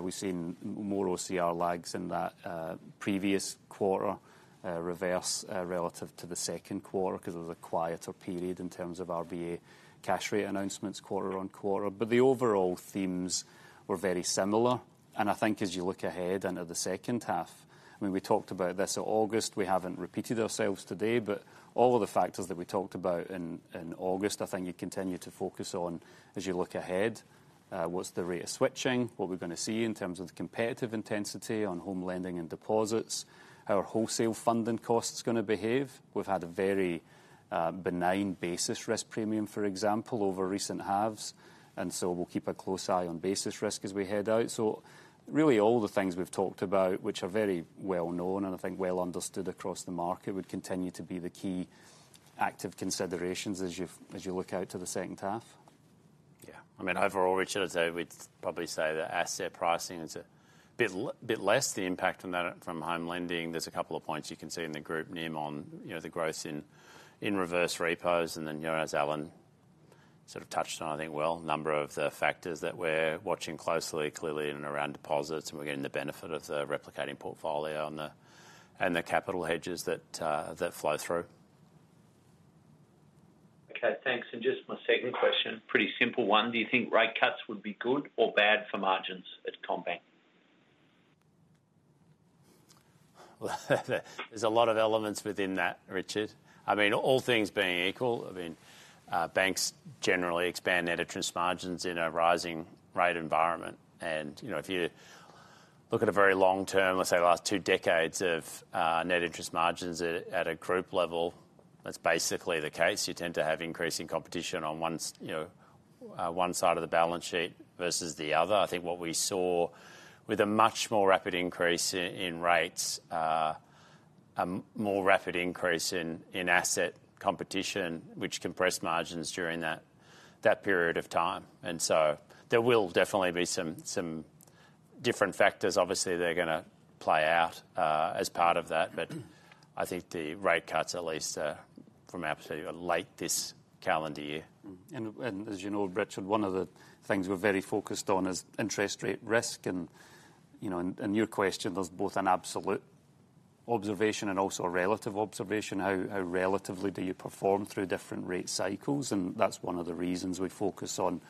We've seen more OCR lags in that previous quarter reverse relative to the second quarter because it was a quieter period in terms of RBA cash rate announcements quarter-over-quarter. The overall themes were very similar. I think as you look ahead into the second half, I mean, we talked about this at August. We haven't repeated ourselves today. All of the factors that we talked about in August, I think you continue to focus on as you look ahead: what's the rate of switching, what we're going to see in terms of the competitive intensity on home lending and deposits, how our wholesale funding cost is going to behave. We've had a very benign basis risk premium, for example, over recent halves. And so we'll keep a close eye on basis risk as we head out. So really, all the things we've talked about, which are very well-known and I think well-understood across the market, would continue to be the key active considerations as you look out to the second half. Yeah, I mean, overall, Richard, I'd probably say that asset pricing is a bit less the impact from home lending. There's a couple of points you can see in the group NIM on the growth in reverse repos. And then, as Alan sort of touched on, I think, well, a number of the factors that we're watching closely, clearly, and around deposits, and we're getting the benefit of the replicating portfolio and the capital hedges that flow through. OK, thanks. And just my second question, pretty simple one. Do you think rate cuts would be good or bad for margins at CommBank? Well, there's a lot of elements within that, Richard. I mean, all things being equal, I mean, banks generally expand net interest margins in a rising rate environment. If you look at a very long-term, let's say, last two decades of net interest margins at a group level, that's basically the case. You tend to have increasing competition on one side of the balance sheet versus the other. I think what we saw with a much more rapid increase in rates, a more rapid increase in asset competition, which compressed margins during that period of time. So there will definitely be some different factors. Obviously, they're going to play out as part of that. I think the rate cuts, at least from our perspective, are late this calendar year. As you know, Richard, one of the things we're very focused on is interest rate risk. In your question, there's both an absolute observation and also a relative observation. How relatively do you perform through different rate cycles? That's one of the reasons we focus on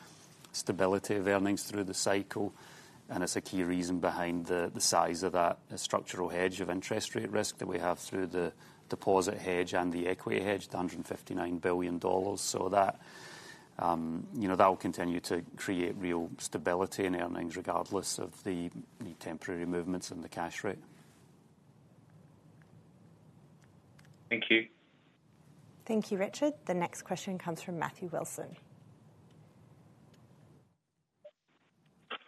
stability of earnings through the cycle. It's a key reason behind the size of that, a structural hedge of interest rate risk that we have through the deposit hedge and the equity hedge, the AUD 159 billion. So that will continue to create real stability in earnings, regardless of the temporary movements in the cash rate. Thank you. Thank you, Richard. The next question comes from Matthew Wilson.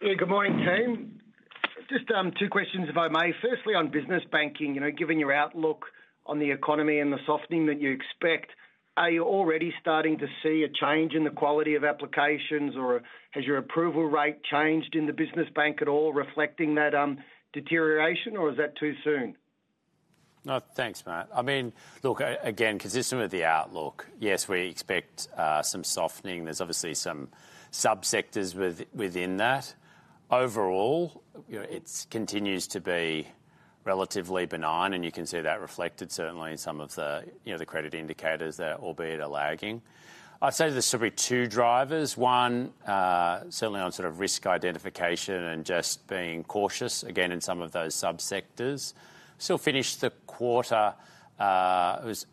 Good morning, team. Just two questions, if I may. Firstly, on business banking, given your outlook on the economy and the softening that you expect, are you already starting to see a change in the quality of applications, or has your approval rate changed in the business bank at all reflecting that deterioration, or is that too soon? No, thanks, Matt. I mean, look, again, consistent with the outlook, yes, we expect some softening. There's obviously some subsectors within that. Overall, it continues to be relatively benign, and you can see that reflected, certainly, in some of the credit indicators there, albeit a lagging. I'd say there's probably two drivers. One, certainly on sort of risk identification and just being cautious, again, in some of those subsectors. Still finished the quarter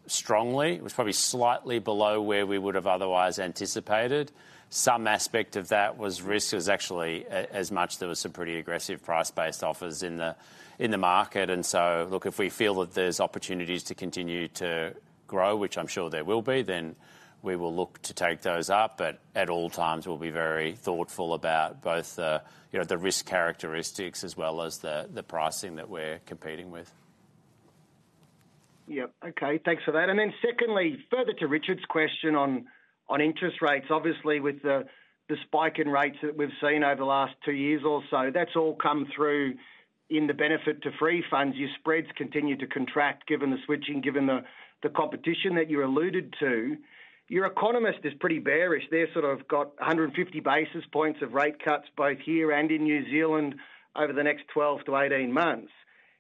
strongly. It was probably slightly below where we would have otherwise anticipated. Some aspect of that was risk. It was actually as much there were some pretty aggressive price-based offers in the market. And so, look, if we feel that there's opportunities to continue to grow, which I'm sure there will be, then we will look to take those up. But at all times, we'll be very thoughtful about both the risk characteristics as well as the pricing that we're competing with. Yep, OK, thanks for that. And then, secondly, further to Richard's question on interest rates, obviously, with the spike in rates that we've seen over the last two years or so, that's all come through in the benefit to free funds. Your spreads continue to contract, given the switching, given the competition that you alluded to. Your economist is pretty bearish. They've sort of got 150 basis points of rate cuts both here and in New Zealand over the next 12-18 months.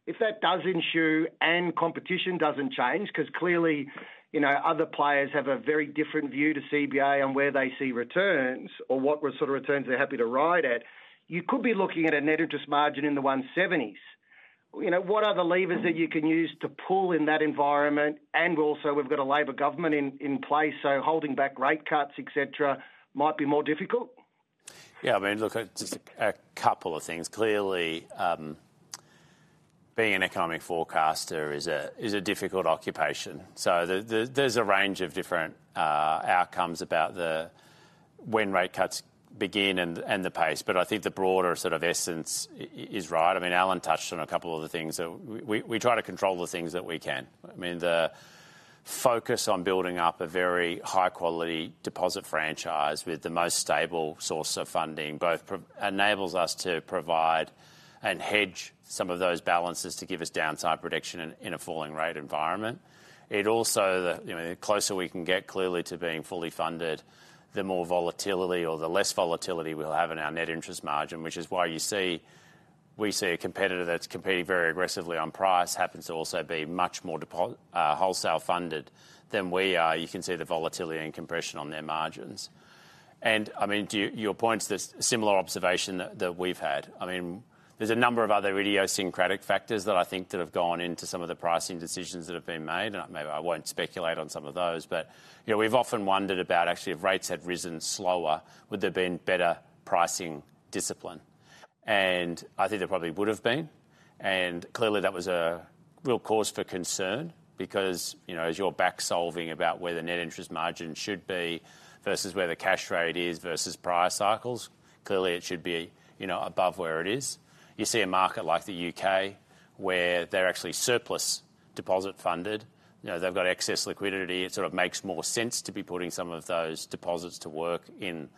If that does ensue and competition doesn't change, because, clearly, other players have a very different view to CBA on where they see returns or what sort of returns they're happy to ride at, you could be looking at a net interest margin in the 170s. What are the levers that you can use to pull in that environment? And also, we've got a Labor government in place, so holding back rate cuts, etc., might be more difficult? Yeah, I mean, look, just a couple of things. Clearly, being an economic forecaster is a difficult occupation. So there's a range of different outcomes about when rate cuts begin and the pace. But I think the broader sort of essence is right. I mean, Alan touched on a couple of the things that we try to control, the things that we can. I mean, the focus on building up a very high-quality deposit franchise with the most stable source of funding both enables us to provide and hedge some of those balances to give us downside protection in a falling rate environment. It also, the closer we can get, clearly, to being fully funded, the more volatility or the less volatility we'll have in our net interest margin, which is why you see we see a competitor that's competing very aggressively on price happens to also be much more wholesale funded than we are. You can see the volatility and compression on their margins. And, I mean, to your point, it's a similar observation that we've had. I mean, there's a number of other idiosyncratic factors that I think that have gone into some of the pricing decisions that have been made. And maybe I won't speculate on some of those. But we've often wondered about, actually, if rates had risen slower, would there have been better pricing discipline? And I think there probably would have been. And clearly, that was a real cause for concern because, as you're backsolving about where the net interest margin should be versus where the cash rate is versus prior cycles, clearly, it should be above where it is. You see a market like the U.K. where they're actually surplus deposit funded. They've got excess liquidity. It sort of makes more sense to be putting some of those deposits to work in,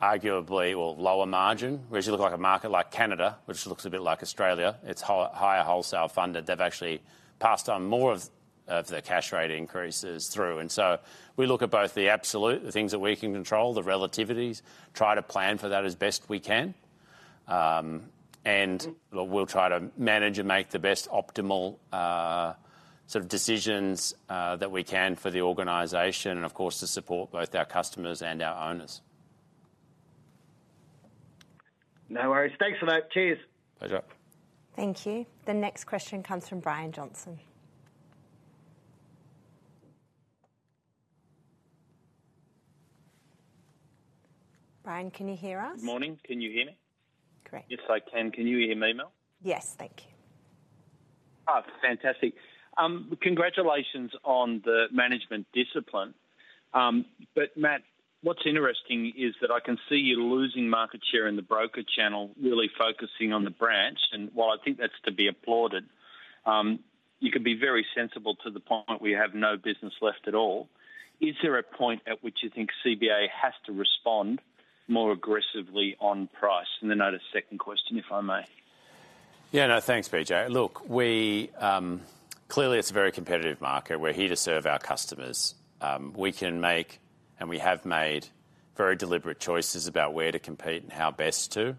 arguably, well, lower margin. Whereas you look at a market like Canada, which looks a bit like Australia, it's higher wholesale funded. They've actually passed on more of the cash rate increases through. And so we look at both the absolute, the things that we can control, the relativities, try to plan for that as best we can. And we'll try to manage and make the best optimal sort of decisions that we can for the organization and, of course, to support both our customers and our owners. No worries. Thanks for that. Cheers. Pleasure. Thank you. The next question comes from Brian Johnson. Brian, can you hear us? Good morning. Can you hear me? Correct. Yes, I can. Can you hear me now? Yes, thank you. Fantastic. Congratulations on the management discipline. But, Matt, what's interesting is that I can see you losing market share in the broker channel, really focusing on the branch. And while I think that's to be applauded, you can be very sensible to the point where you have no business left at all. Is there a point at which you think CBA has to respond more aggressively on price? And then I had a second question, if I may. Yeah, no, thanks, BJ. Look, we clearly. It's a very competitive market. We're here to serve our customers. We can make and we have made very deliberate choices about where to compete and how best to.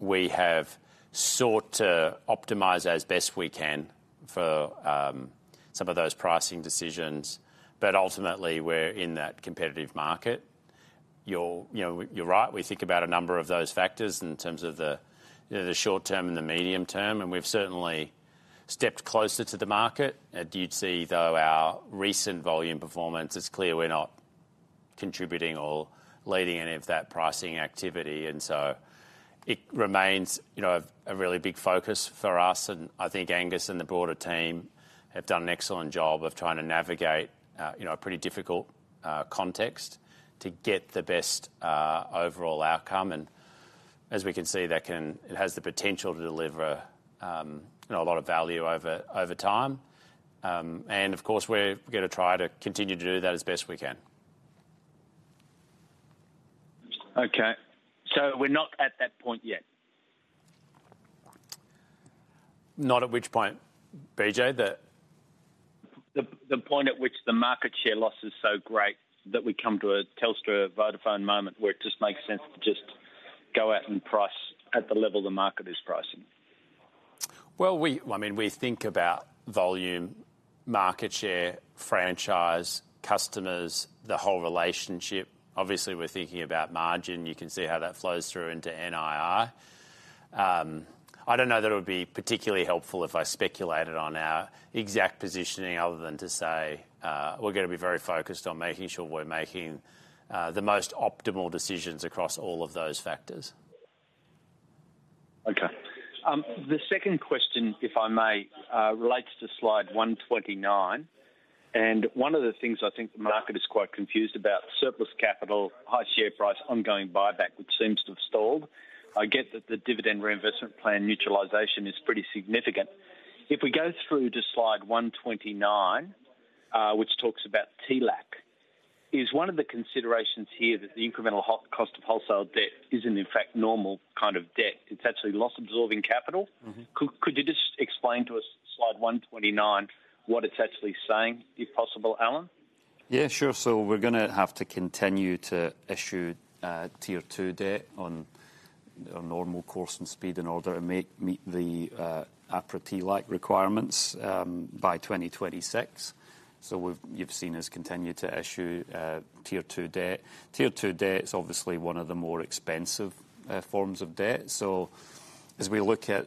We have sought to optimize as best we can for some of those pricing decisions. But ultimately, we're in that competitive market. You're right. We think about a number of those factors in terms of the short-term and the medium-term. And we've certainly stepped closer to the market. Do you see, though, our recent volume performance? It's clear we're not contributing or leading any of that pricing activity. And so it remains a really big focus for us. And I think Angus and the broader team have done an excellent job of trying to navigate a pretty difficult context to get the best overall outcome. And, as we can see, that can, it has the potential to deliver a lot of value over time. And, of course, we're going to try to continue to do that as best we can. OK, so we're not at that point yet? Not at which point, BJ? The point at which the market share loss is so great that we come to a Telstra Vodafone moment where it just makes sense to just go out and price at the level the market is pricing? Well, I mean, we think about volume, market share, franchise, customers, the whole relationship. Obviously, we're thinking about margin. You can see how that flows through into NII. I don't know that it would be particularly helpful if I speculated on our exact positioning other than to say, we're going to be very focused on making sure we're making the most optimal decisions across all of those factors. OK. The second question, if I may, relates to slide 129. One of the things I think the market is quite confused about, surplus capital, high share price, ongoing buyback, which seems to have stalled. I get that the dividend reinvestment plan neutralization is pretty significant. If we go through to slide 129, which talks about TLAC, is one of the considerations here that the incremental cost of wholesale debt isn't, in fact, normal kind of debt? It's actually loss-absorbing capital. Could you just explain to us, slide 129, what it's actually saying, if possible, Alan? Yeah, sure. So we're going to have to continue to issue Tier 2 debt on normal course and speed in order to meet the APRA TLAC requirements by 2026. So you've seen us continue to issue Tier 2 debt. Tier 2 debt is obviously one of the more expensive forms of debt. So, as we look at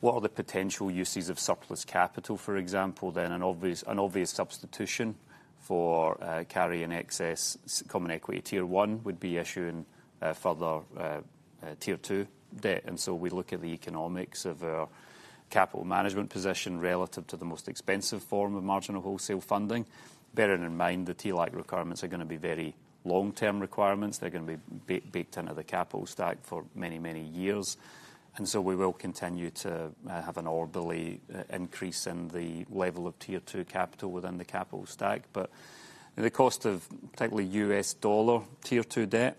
what are the potential uses of surplus capital, for example, then an obvious substitution for carrying excess Common Equity Tier 1 would be issuing further Tier 2 debt. And so we look at the economics of our capital management position relative to the most expensive form of marginal wholesale funding, bearing in mind the TLAC requirements are going to be very long-term requirements. They're going to be baked into the capital stack for many, many years. So we will continue to have an orderly increase in the level of Tier 2 capital within the capital stack. But the cost of, technically, U.S. dollar Tier 2 debt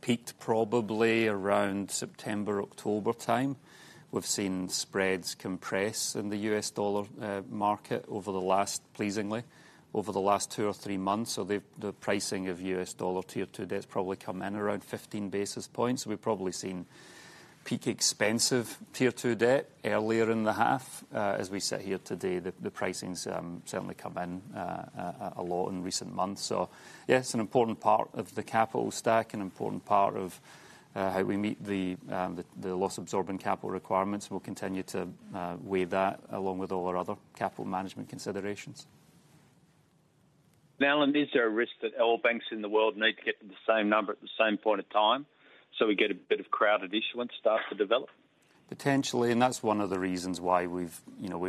peaked probably around September, October time. We've seen spreads compress in the U.S. dollar market over the last pleasingly, over the last two or three months. So the pricing of U.S. dollar Tier 2 debt has probably come in around 15 basis points. So we've probably seen peak expensive Tier 2 debt earlier in the half. As we sit here today, the pricing has certainly come in a lot in recent months. So, yeah, it's an important part of the capital stack, an important part of how we meet the loss-absorbing capital requirements. We'll continue to weigh that along with all our other capital management considerations. And, Alan, is there a risk that all banks in the world need to get to the same number at the same point of time so we get a bit of crowded issuance start to develop? Potentially. And that's one of the reasons why we've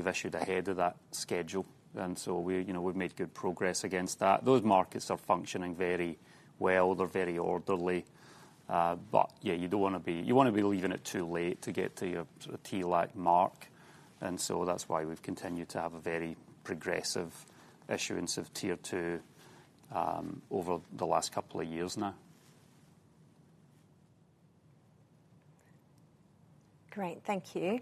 issued ahead of that schedule. And so we've made good progress against that. Those markets are functioning very well. They're very orderly. But, yeah, you don't want to be leaving it too late to get to your sort of TLAC mark. And so that's why we've continued to have a very progressive issuance of Tier 2 over the last couple of years now. Great, thank you.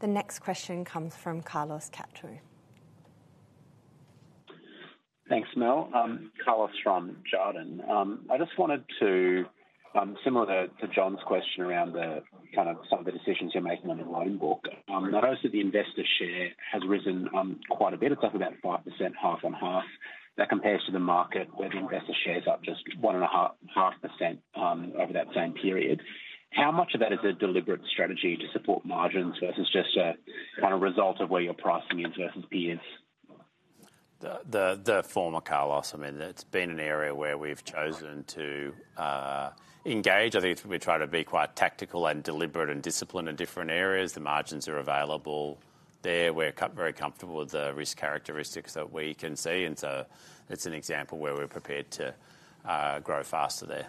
The next question comes from Carlos Cacho. Thanks, Mel. Carlos from Jarden. I just wanted to, similar to Jon's question around kind of some of the decisions you're making on your loan book, notice that the investor share has risen quite a bit. It's up about 5%, half on half. That compares to the market where the investor share is up just 1.5% over that same period. How much of that is a deliberate strategy to support margins versus just a kind of result of where you're pricing in versus peers? The former, Carlos. I mean, it's been an area where we've chosen to engage. I think we try to be quite tactical and deliberate and disciplined in different areas. The margins are available there. We're very comfortable with the risk characteristics that we can see. And so it's an example where we're prepared to grow faster there.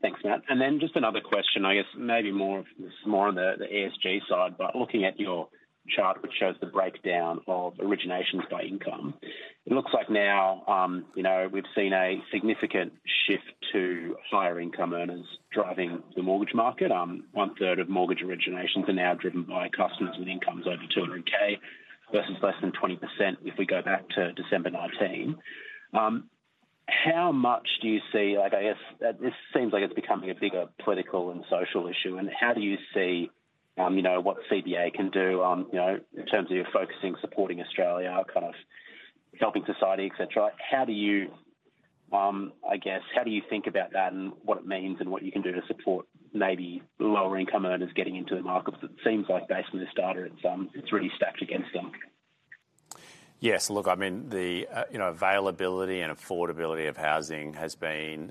Thanks, Matt. Then just another question, I guess, maybe more on the ESG side. But looking at your chart, which shows the breakdown of originations by income, it looks like now we've seen a significant shift to higher income earners driving the mortgage market. 1/3 of mortgage originations are now driven by customers with incomes over 200,000 versus less than 20% if we go back to December 2019. How much do you see like, I guess, this seems like it's becoming a bigger political and social issue. And how do you see what CBA can do in terms of your focusing, supporting Australia, kind of helping society, et cetera? How do you, I guess, how do you think about that and what it means and what you can do to support maybe lower income earners getting into the market? Because it seems like, based on this data, it's really stacked against them. Yes, look, I mean, the availability and affordability of housing has been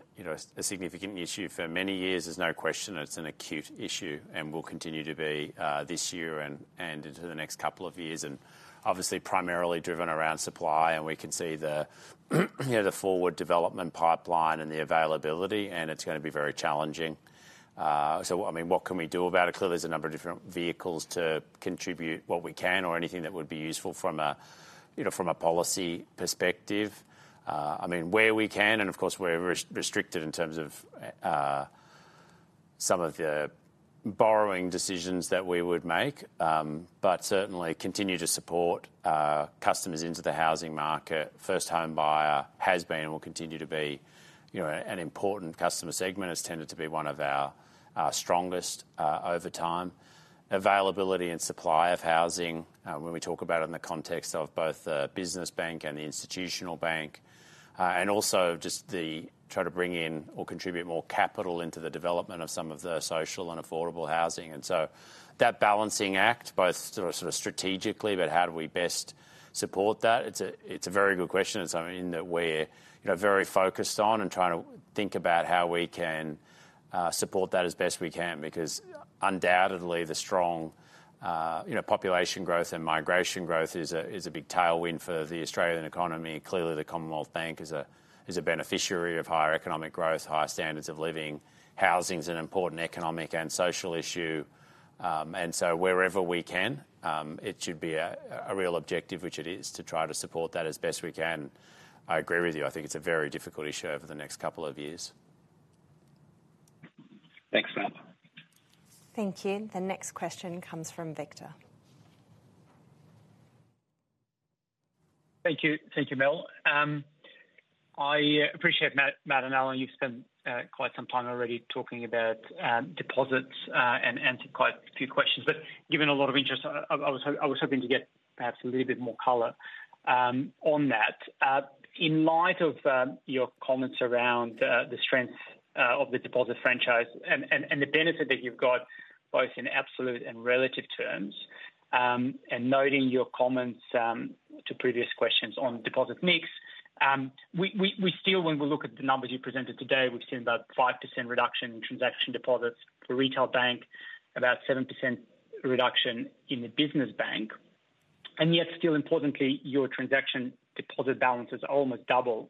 a significant issue for many years. There's no question it's an acute issue. We'll continue to be this year and into the next couple of years. Obviously, primarily driven around supply. We can see the forward development pipeline and the availability. It's going to be very challenging. So, I mean, what can we do about it? Clearly, there's a number of different vehicles to contribute what we can or anything that would be useful from a policy perspective. I mean, where we can and, of course, we're restricted in terms of some of the borrowing decisions that we would make, but certainly continue to support customers into the housing market. First home buyer has been and will continue to be an important customer segment. It's tended to be one of our strongest over time. Availability and supply of housing, when we talk about it in the context of both the business bank and the institutional bank, and also just the try to bring in or contribute more capital into the development of some of the social and affordable housing. And so that balancing act, both sort of strategically, but how do we best support that? It's a very good question. It's, I mean, in that we're very focused on and trying to think about how we can support that as best we can. Because, undoubtedly, the strong population growth and migration growth is a big tailwind for the Australian economy. Clearly, the Commonwealth Bank is a beneficiary of higher economic growth, higher standards of living. Housing is an important economic and social issue. And so wherever we can, it should be a real objective, which it is, to try to support that as best we can. I agree with you. I think it's a very difficult issue over the next couple of years. Thanks, Matt. Thank you. The next question comes from Victor. Thank you. Thank you, Mel. I appreciate, Matt and Alan, you've spent quite some time already talking about deposits and answered quite a few questions. But, given a lot of interest, I was hoping to get perhaps a little bit more color on that. In light of your comments around the strength of the deposit franchise and the benefit that you've got both in absolute and relative terms, and noting your comments to previous questions on deposit mix, we still, when we look at the numbers you presented today, we've seen about 5% reduction in transaction deposits for retail bank, about 7% reduction in the business bank. And yet, still, importantly, your transaction deposit balances almost double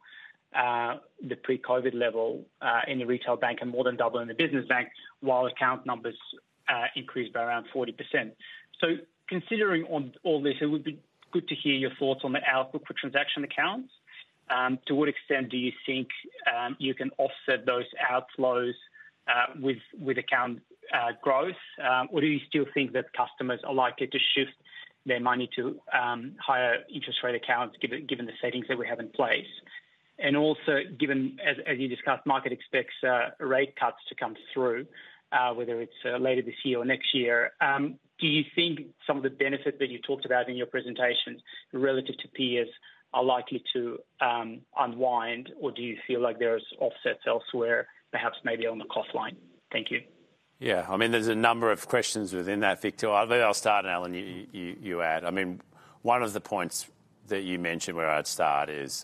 the pre-COVID level in the retail bank and more than double in the business bank, while account numbers increased by around 40%. So, considering all this, it would be good to hear your thoughts on the outlook for transaction accounts. To what extent do you think you can offset those outflows with account growth? Or do you still think that customers are likely to shift their money to higher interest-rate accounts, given the settings that we have in place? And also, given, as you discussed, market expects rate cuts to come through, whether it's later this year or next year, do you think some of the benefits that you talked about in your presentations relative to peers are likely to unwind? Or do you feel like there's offsets elsewhere, perhaps maybe on the cost line? Thank you. Yeah, I mean, there's a number of questions within that, Victor. I'll start and, Alan, you add. I mean, one of the points that you mentioned where I'd start is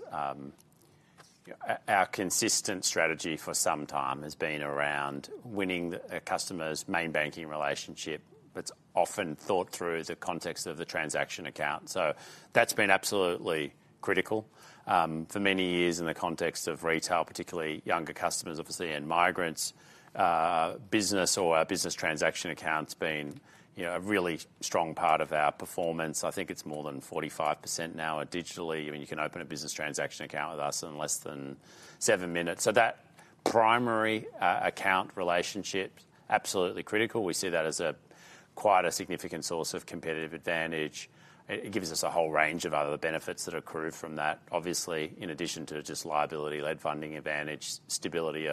our consistent strategy for some time has been around winning a customer's main banking relationship that's often thought through the context of the transaction account. So that's been absolutely critical for many years in the context of retail, particularly younger customers, obviously, and migrants. Business or our business transaction account's been a really strong part of our performance. I think it's more than 45% now digitally. I mean, you can open a business transaction account with us in less than seven minutes. So that primary account relationship, absolutely critical. We see that as quite a significant source of competitive advantage. It gives us a whole range of other benefits that accrue from that, obviously, in addition to just liability-led funding advantage, stability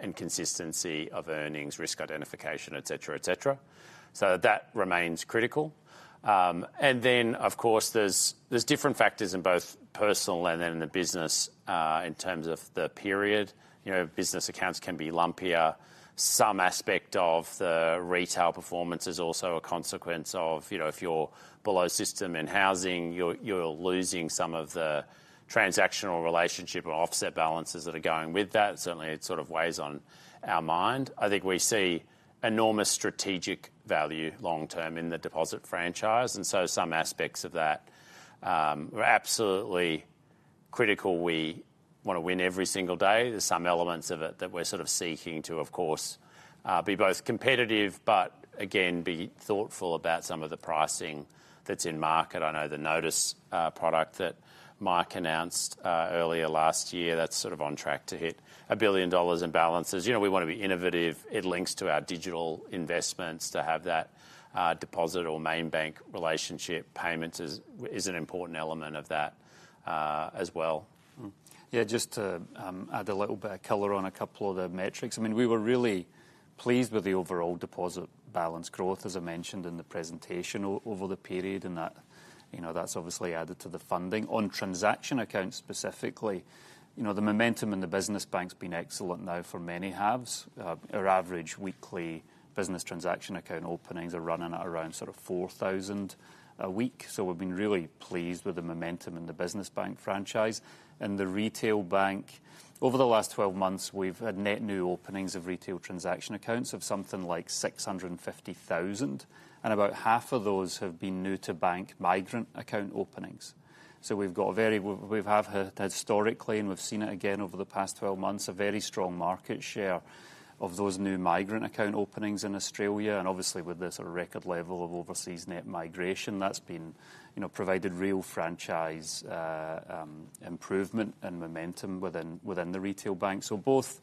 and consistency of earnings, risk identification, etc., etc. So that remains critical. And then, of course, there's different factors in both personal and then in the business in terms of the period. Business accounts can be lumpier. Some aspect of the retail performance is also a consequence of if you're below system in housing, you're losing some of the transactional relationship or offset balances that are going with that. Certainly, it sort of weighs on our mind. I think we see enormous strategic value long-term in the deposit franchise. And so some aspects of that are absolutely critical. We want to win every single day. There's some elements of it that we're sort of seeking to, of course, be both competitive, but, again, be thoughtful about some of the pricing that's in market. I know the notice product that Mark announced earlier last year, that's sort of on track to hit 1 billion dollars in balances. You know, we want to be innovative. It links to our digital investments to have that deposit or main bank relationship. Payments is an important element of that as well. Yeah, just to add a little bit of color on a couple of the metrics. I mean, we were really pleased with the overall deposit balance growth, as I mentioned in the presentation, over the period. That's obviously added to the funding. On transaction accounts specifically, the momentum in the business bank's been excellent now for many halves. Our average weekly business transaction account openings are running at around sort of 4,000 a week. So we've been really pleased with the momentum in the business bank franchise. In the retail bank, over the last 12 months, we've had net new openings of retail transaction accounts of something like 650,000. About half of those have been new-to-bank migrant account openings. So we've had historically, and we've seen it again over the past 12 months, a very strong market share of those new migrant account openings in Australia. And, obviously, with this record level of overseas net migration, that's provided real franchise improvement and momentum within the retail bank. So both,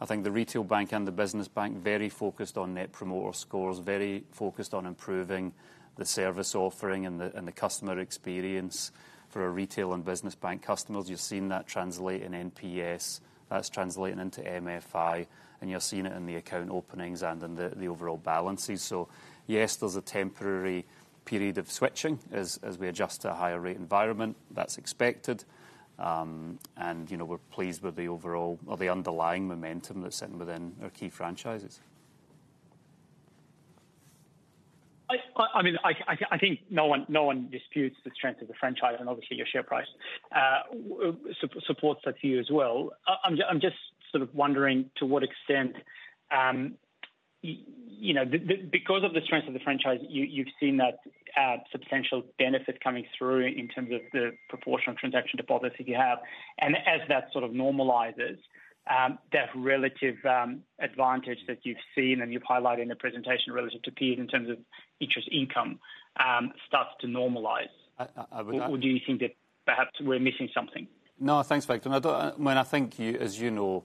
I think, the retail bank and the business bank, very focused on Net Promoter Scores, very focused on improving the service offering and the customer experience for our retail and business bank customers. You've seen that translate in NPS. That's translating into MFI. And you're seeing it in the account openings and in the overall balances. So, yes, there's a temporary period of switching as we adjust to a higher-rate environment. That's expected. And we're pleased with the overall or the underlying momentum that's sitting within our key franchises. I mean, I think no one disputes the strength of the franchise. And, obviously, your share price supports that view as well. I'm just sort of wondering to what extent because of the strength of the franchise, you've seen that substantial benefit coming through in terms of the proportion of transaction deposits that you have. And as that sort of normalizes, that relative advantage that you've seen and you've highlighted in the presentation relative to peers in terms of interest income starts to normalize. Or do you think that perhaps we're missing something? No, thanks, Victor. I mean, I think, as you know,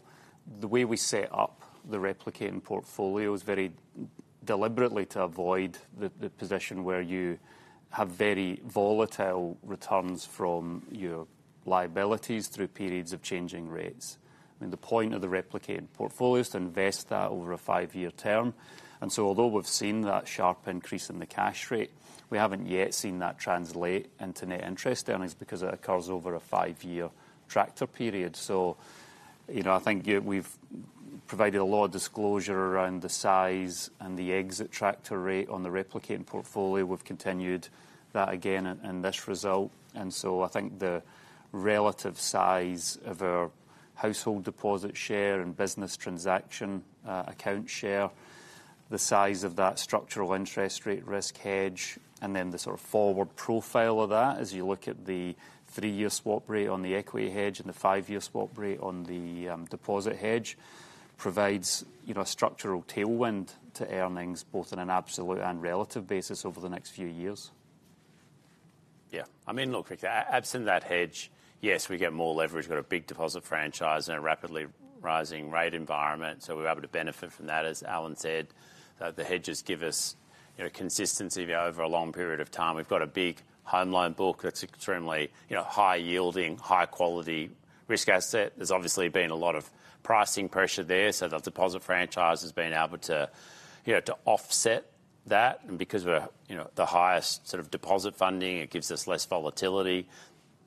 the way we set up the replicating portfolio is very deliberately to avoid the position where you have very volatile returns from your liabilities through periods of changing rates. I mean, the point of the replicating portfolio is to invest that over a five-year term. Although we've seen that sharp increase in the cash rate, we haven't yet seen that translate into net interest earnings because it occurs over a five-year tracker period. I think we've provided a lot of disclosure around the size and the exit tracker rate on the replicating portfolio. We've continued that again in this result. I think the relative size of our household deposit share and business transaction account share, the size of that structural interest rate risk hedge, and then the sort of forward profile of that, as you look at the three-year swap rate on the equity hedge and the five-year swap rate on the deposit hedge, provides a structural tailwind to earnings both on an absolute and relative basis over the next few years. Yeah, I mean, look, Victor, absent that hedge, yes, we get more leverage. We've got a big deposit franchise and a rapidly rising rate environment. So we're able to benefit from that. As Alan said, the hedges give us consistency over a long period of time. We've got a big home loan book that's extremely high-yielding, high-quality risk asset. There's obviously been a lot of pricing pressure there. So the deposit franchise has been able to offset that. And because we're the highest sort of deposit funding, it gives us less volatility.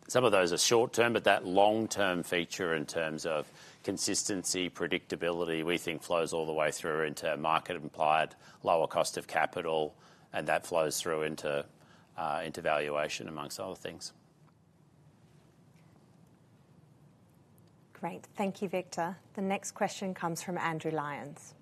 Some of those are short-term, but that long-term feature in terms of consistency, predictability, we think flows all the way through into market-implied lower cost of capital. And that flows through into valuation, among other things. Great. Thank you, Victor. The next question comes from Andrew Lyons.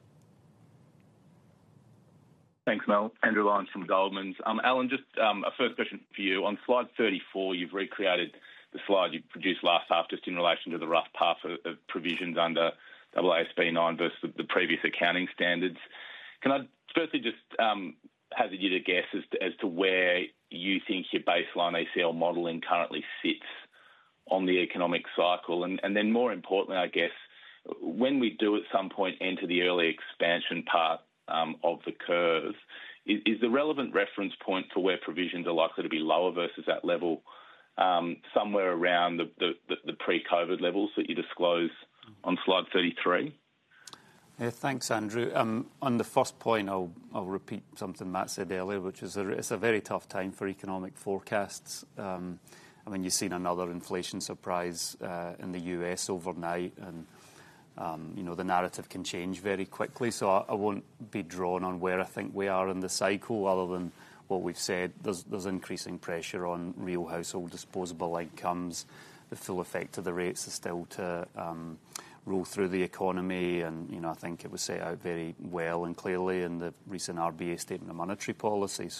Thanks, Mel. Andrew Lyons from Goldman's. Alan, just a first question for you. On slide 34, you've recreated the slide you produced last half just in relation to the rough path of provisions under AASB 9 versus the previous accounting standards. Can I firstly just hazard you to guess as to where you think your baseline ACL modelling currently sits on the economic cycle? And then, more importantly, I guess, when we do at some point enter the early expansion part of the curve, is the relevant reference point for where provisions are likely to be lower versus that level somewhere around the pre-COVID levels that you disclosed on slide 33? Yeah, thanks, Andrew. On the first point, I'll repeat something Matt said earlier, which is it's a very tough time for economic forecasts. I mean, you've seen another inflation surprise in the U.S. overnight. And the narrative can change very quickly. I won't be drawn on where I think we are in the cycle other than what we've said. There's increasing pressure on real household disposable incomes. The full effect of the rates is still to roll through the economy. I think it was set out very well and clearly in the recent RBA statement on monetary policy.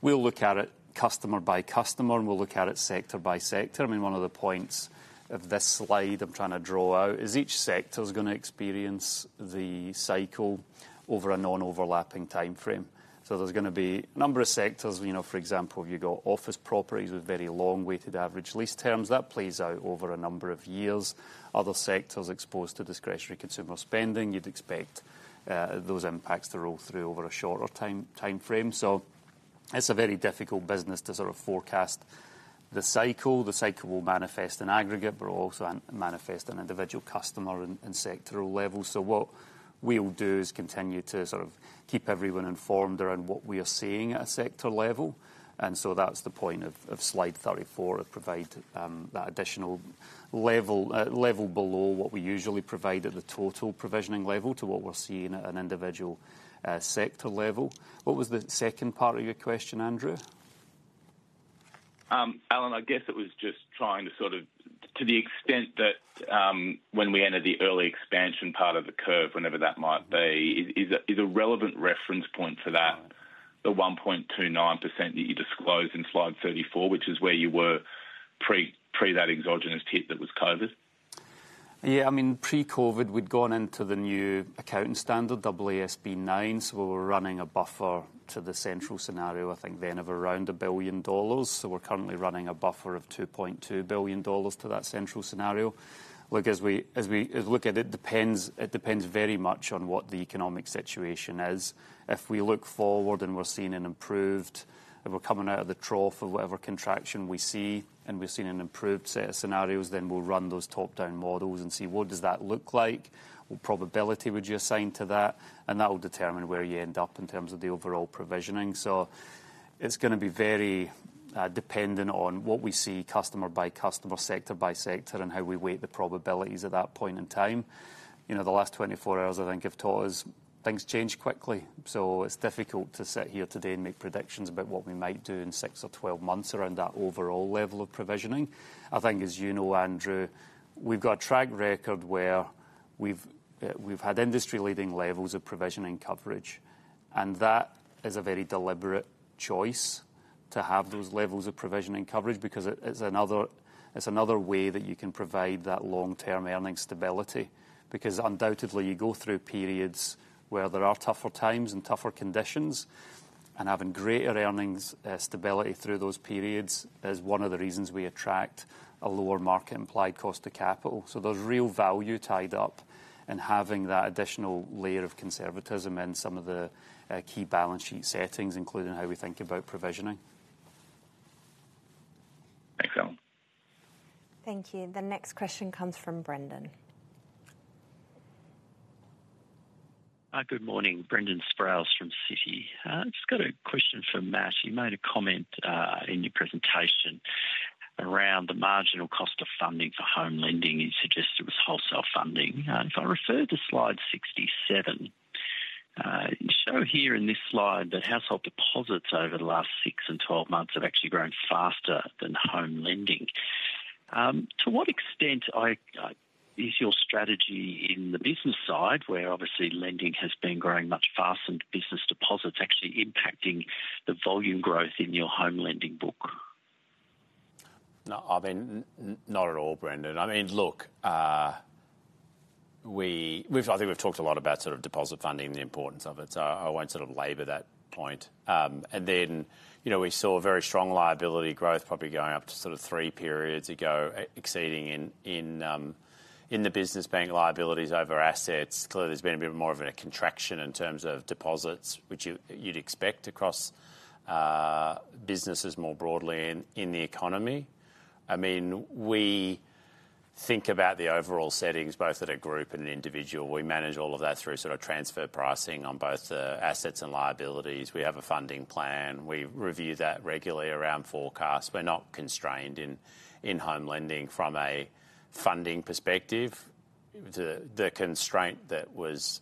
We'll look at it customer by customer, and we'll look at it sector by sector. I mean, one of the points of this slide I'm trying to draw out is each sector's going to experience the cycle over a non-overlapping timeframe. There's going to be a number of sectors. For example, if you've got office properties with very long weighted average lease terms, that plays out over a number of years. Other sectors exposed to discretionary consumer spending, you'd expect those impacts to roll through over a shorter timeframe. So it's a very difficult business to sort of forecast the cycle. The cycle will manifest in aggregate, but it will also manifest on individual customer and sectoral levels. So what we'll do is continue to sort of keep everyone informed around what we are seeing at a sector level. And so that's the point of slide 34, to provide that additional level below what we usually provide at the total provisioning level to what we're seeing at an individual sector level. What was the second part of your question, Andrew? Alan, I guess it was just trying to sort of to the extent that when we enter the early expansion part of the curve, whenever that might be, is a relevant reference point for that, the 1.29% that you disclosed in slide 34, which is where you were pre that exogenous hit that was COVID? Yeah, I mean, pre-COVID, we'd gone into the new accounting standard, AASB 9. So we were running a buffer to the central scenario, I think, then of around 1 billion dollars. So we're currently running a buffer of 2.2 billion dollars to that central scenario. Look, as we look at it, it depends very much on what the economic situation is. If we look forward and we're seeing an improved if we're coming out of the trough of whatever contraction we see and we've seen an improved set of scenarios, then we'll run those top-down models and see what does that look like, what probability would you assign to that. And that will determine where you end up in terms of the overall provisioning. It's going to be very dependent on what we see customer by customer, sector by sector, and how we weight the probabilities at that point in time. The last 24 hours, I think, have taught us things change quickly. It's difficult to sit here today and make predictions about what we might do in six or 12 months around that overall level of provisioning. I think, as you know, Andrew, we've got a track record where we've had industry-leading levels of provisioning coverage. That is a very deliberate choice to have those levels of provisioning coverage because it's another way that you can provide that long-term earnings stability. Because, undoubtedly, you go through periods where there are tougher times and tougher conditions. Having greater earnings stability through those periods is one of the reasons we attract a lower market-implied cost of capital. So there's real value tied up in having that additional layer of conservatism in some of the key balance sheet settings, including how we think about provisioning. Thanks, Alan. Thank you. The next question comes from Brendan. Good morning. Brendan Sproules from Citi. I've just got a question for Matt. You made a comment in your presentation around the marginal cost of funding for home lending. You suggest it was wholesale funding. If I refer to slide 67, you show here in this slide that household deposits over the last six and 12 months have actually grown faster than home lending. To what extent is your strategy in the business side, where, obviously, lending has been growing much faster and business deposits actually impacting the volume growth in your home lending book? No, I mean, not at all, Brendan. I mean, look, I think we've talked a lot about sort of deposit funding and the importance of it. So I won't sort of labor that point. And then we saw very strong liability growth probably going up to sort of three periods ago, exceeding in the business bank liabilities over assets. Clearly, there's been a bit more of a contraction in terms of deposits, which you'd expect across businesses more broadly in the economy. I mean, we think about the overall settings, both at a group and an individual. We manage all of that through sort of transfer pricing on both the assets and liabilities. We have a funding plan. We review that regularly around forecasts. We're not constrained in home lending from a funding perspective. The constraint that was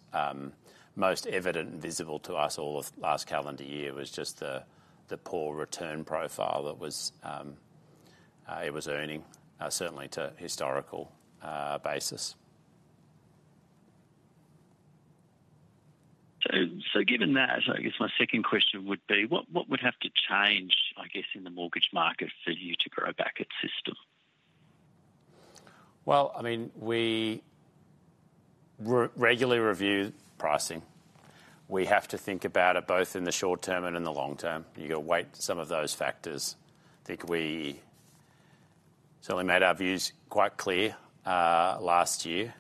most evident and visible to us all last calendar year was just the poor return profile that it was earning, certainly on a historical basis. So given that, I guess my second question would be, what would have to change, I guess, in the mortgage market for you to grow back its system? Well, I mean, we regularly review pricing. We have to think about it both in the short term and in the long term. You've got to weigh some of those factors. I think we certainly made our views quite clear last year.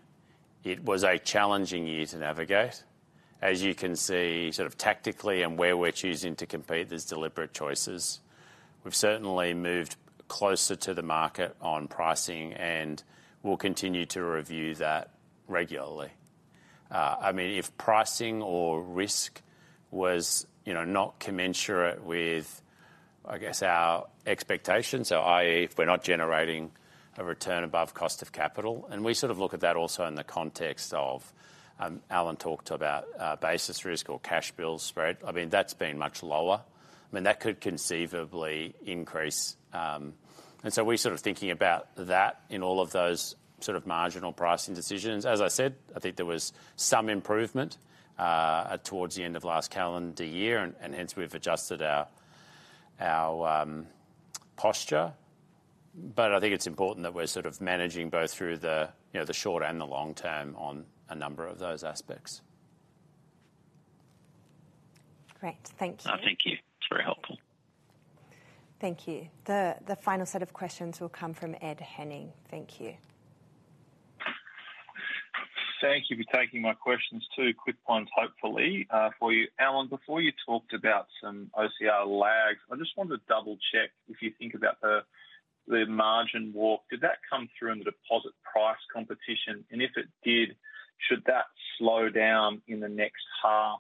It was a challenging year to navigate. As you can see, sort of tactically and where we're choosing to compete, there's deliberate choices. We've certainly moved closer to the market on pricing, and we'll continue to review that regularly. I mean, if pricing or risk was not commensurate with, I guess, our expectations, i.e., if we're not generating a return above cost of capital and we sort of look at that also in the context of Alan talked about basis risk or cash bill spread, I mean, that's been much lower. I mean, that could conceivably increase. And so we're sort of thinking about that in all of those sort of marginal pricing decisions. As I said, I think there was some improvement towards the end of last calendar year, and hence we've adjusted our posture. But I think it's important that we're sort of managing both through the short and the long term on a number of those aspects. Great. Thank you. Thank you. It's very helpful. Thank you. The final set of questions will come from Ed Henning. Thank you. Thank you for taking my questions, two quick ones, hopefully, for you. Alan, before you talked about some OCR lags, I just want to double-check if you think about the margin walk. Did that come through in the deposit price competition? And if it did, should that slow down in the next half,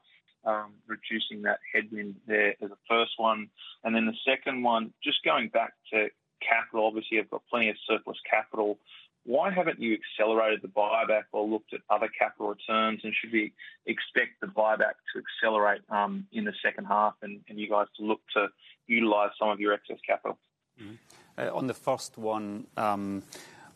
reducing that headwind there as a first one? And then the second one, just going back to capital, obviously, you've got plenty of surplus capital. Why haven't you accelerated the buyback or looked at other capital returns? And should we expect the buyback to accelerate in the second half and you guys to look to utilize some of your excess capital? On the first one,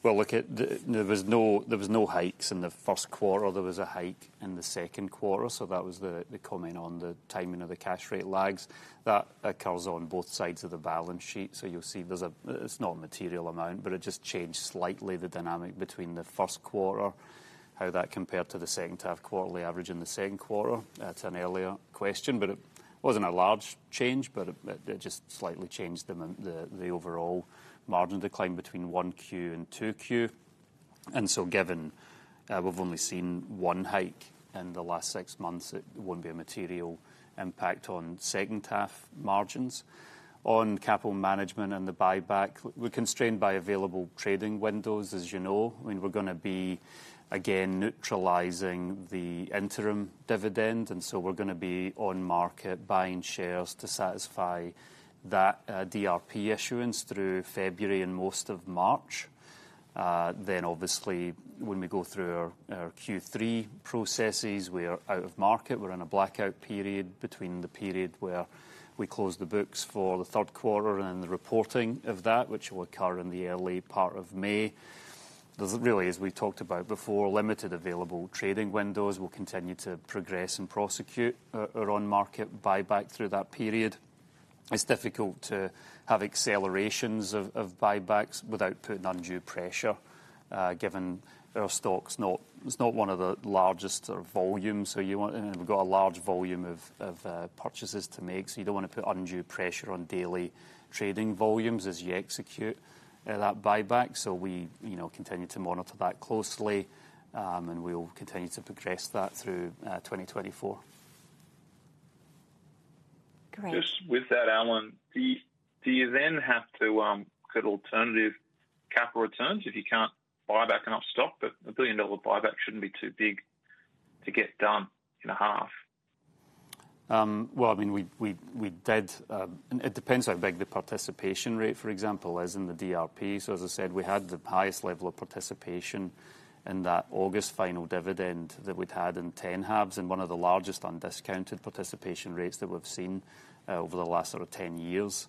well, look, there was no hikes in the first quarter. There was a hike in the second quarter. So that was the comment on the timing of the cash rate lags. That occurs on both sides of the balance sheet. So you'll see there's a, it's not a material amount, but it just changed slightly, the dynamic between the first quarter, how that compared to the second half quarterly average in the second quarter. That's an earlier question, but it wasn't a large change, but it just slightly changed the overall margin decline between 1Q and 2Q. And so given we've only seen one hike in the last six months, it won't be a material impact on second half margins. On capital management and the buyback, we're constrained by available trading windows, as you know. I mean, we're going to be, again, neutralising the interim dividend. And so we're going to be on market buying shares to satisfy that DRP issuance through February and most of March. Then, obviously, when we go through our Q3 processes, we're out of market. We're in a blackout period between the period where we close the books for the third quarter and then the reporting of that, which will occur in the early part of May. There's really, as we've talked about before, limited available trading windows. We'll continue to progress and prosecute our on-market buyback through that period. It's difficult to have accelerations of buybacks without putting undue pressure, given our stocks not it's not one of the largest sort of volumes. So you want and we've got a large volume of purchases to make. So you don't want to put undue pressure on daily trading volumes as you execute that buyback. So we continue to monitor that closely, and we'll continue to progress that through 2024. Great. Just with that, Alan, do you then have to get alternative capital returns if you can't buy back enough stock? But a billion-dollar buyback shouldn't be too big to get done in a half. Well, I mean, we did. It depends how big the participation rate, for example, as in the DRP. So, as I said, we had the highest level of participation in that August final dividend that we'd had in 10 halves and one of the largest undiscounted participation rates that we've seen over the last sort of 10 years.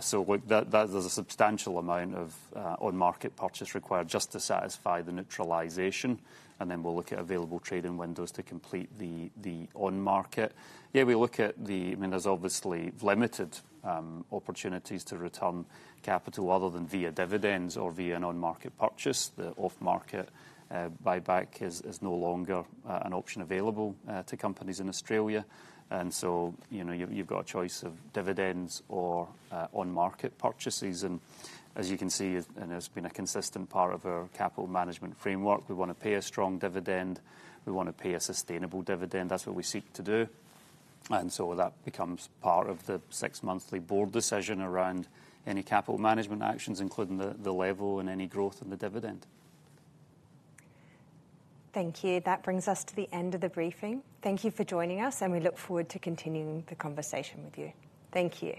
So, look, there's a substantial amount of on-market purchase required just to satisfy the neutralization. And then we'll look at available trading windows to complete the on-market. Yeah, we look at the. I mean, there's obviously limited opportunities to return capital other than via dividends or via an on-market purchase. The off-market buyback is no longer an option available to companies in Australia. And so you've got a choice of dividends or on-market purchases. As you can see, and it's been a consistent part of our capital management framework, we want to pay a strong dividend. We want to pay a sustainable dividend. That's what we seek to do. So that becomes part of the six-monthly board decision around any capital management actions, including the level and any growth in the dividend. Thank you. That brings us to the end of the briefing. Thank you for joining us, and we look forward to continuing the conversation with you. Thank you.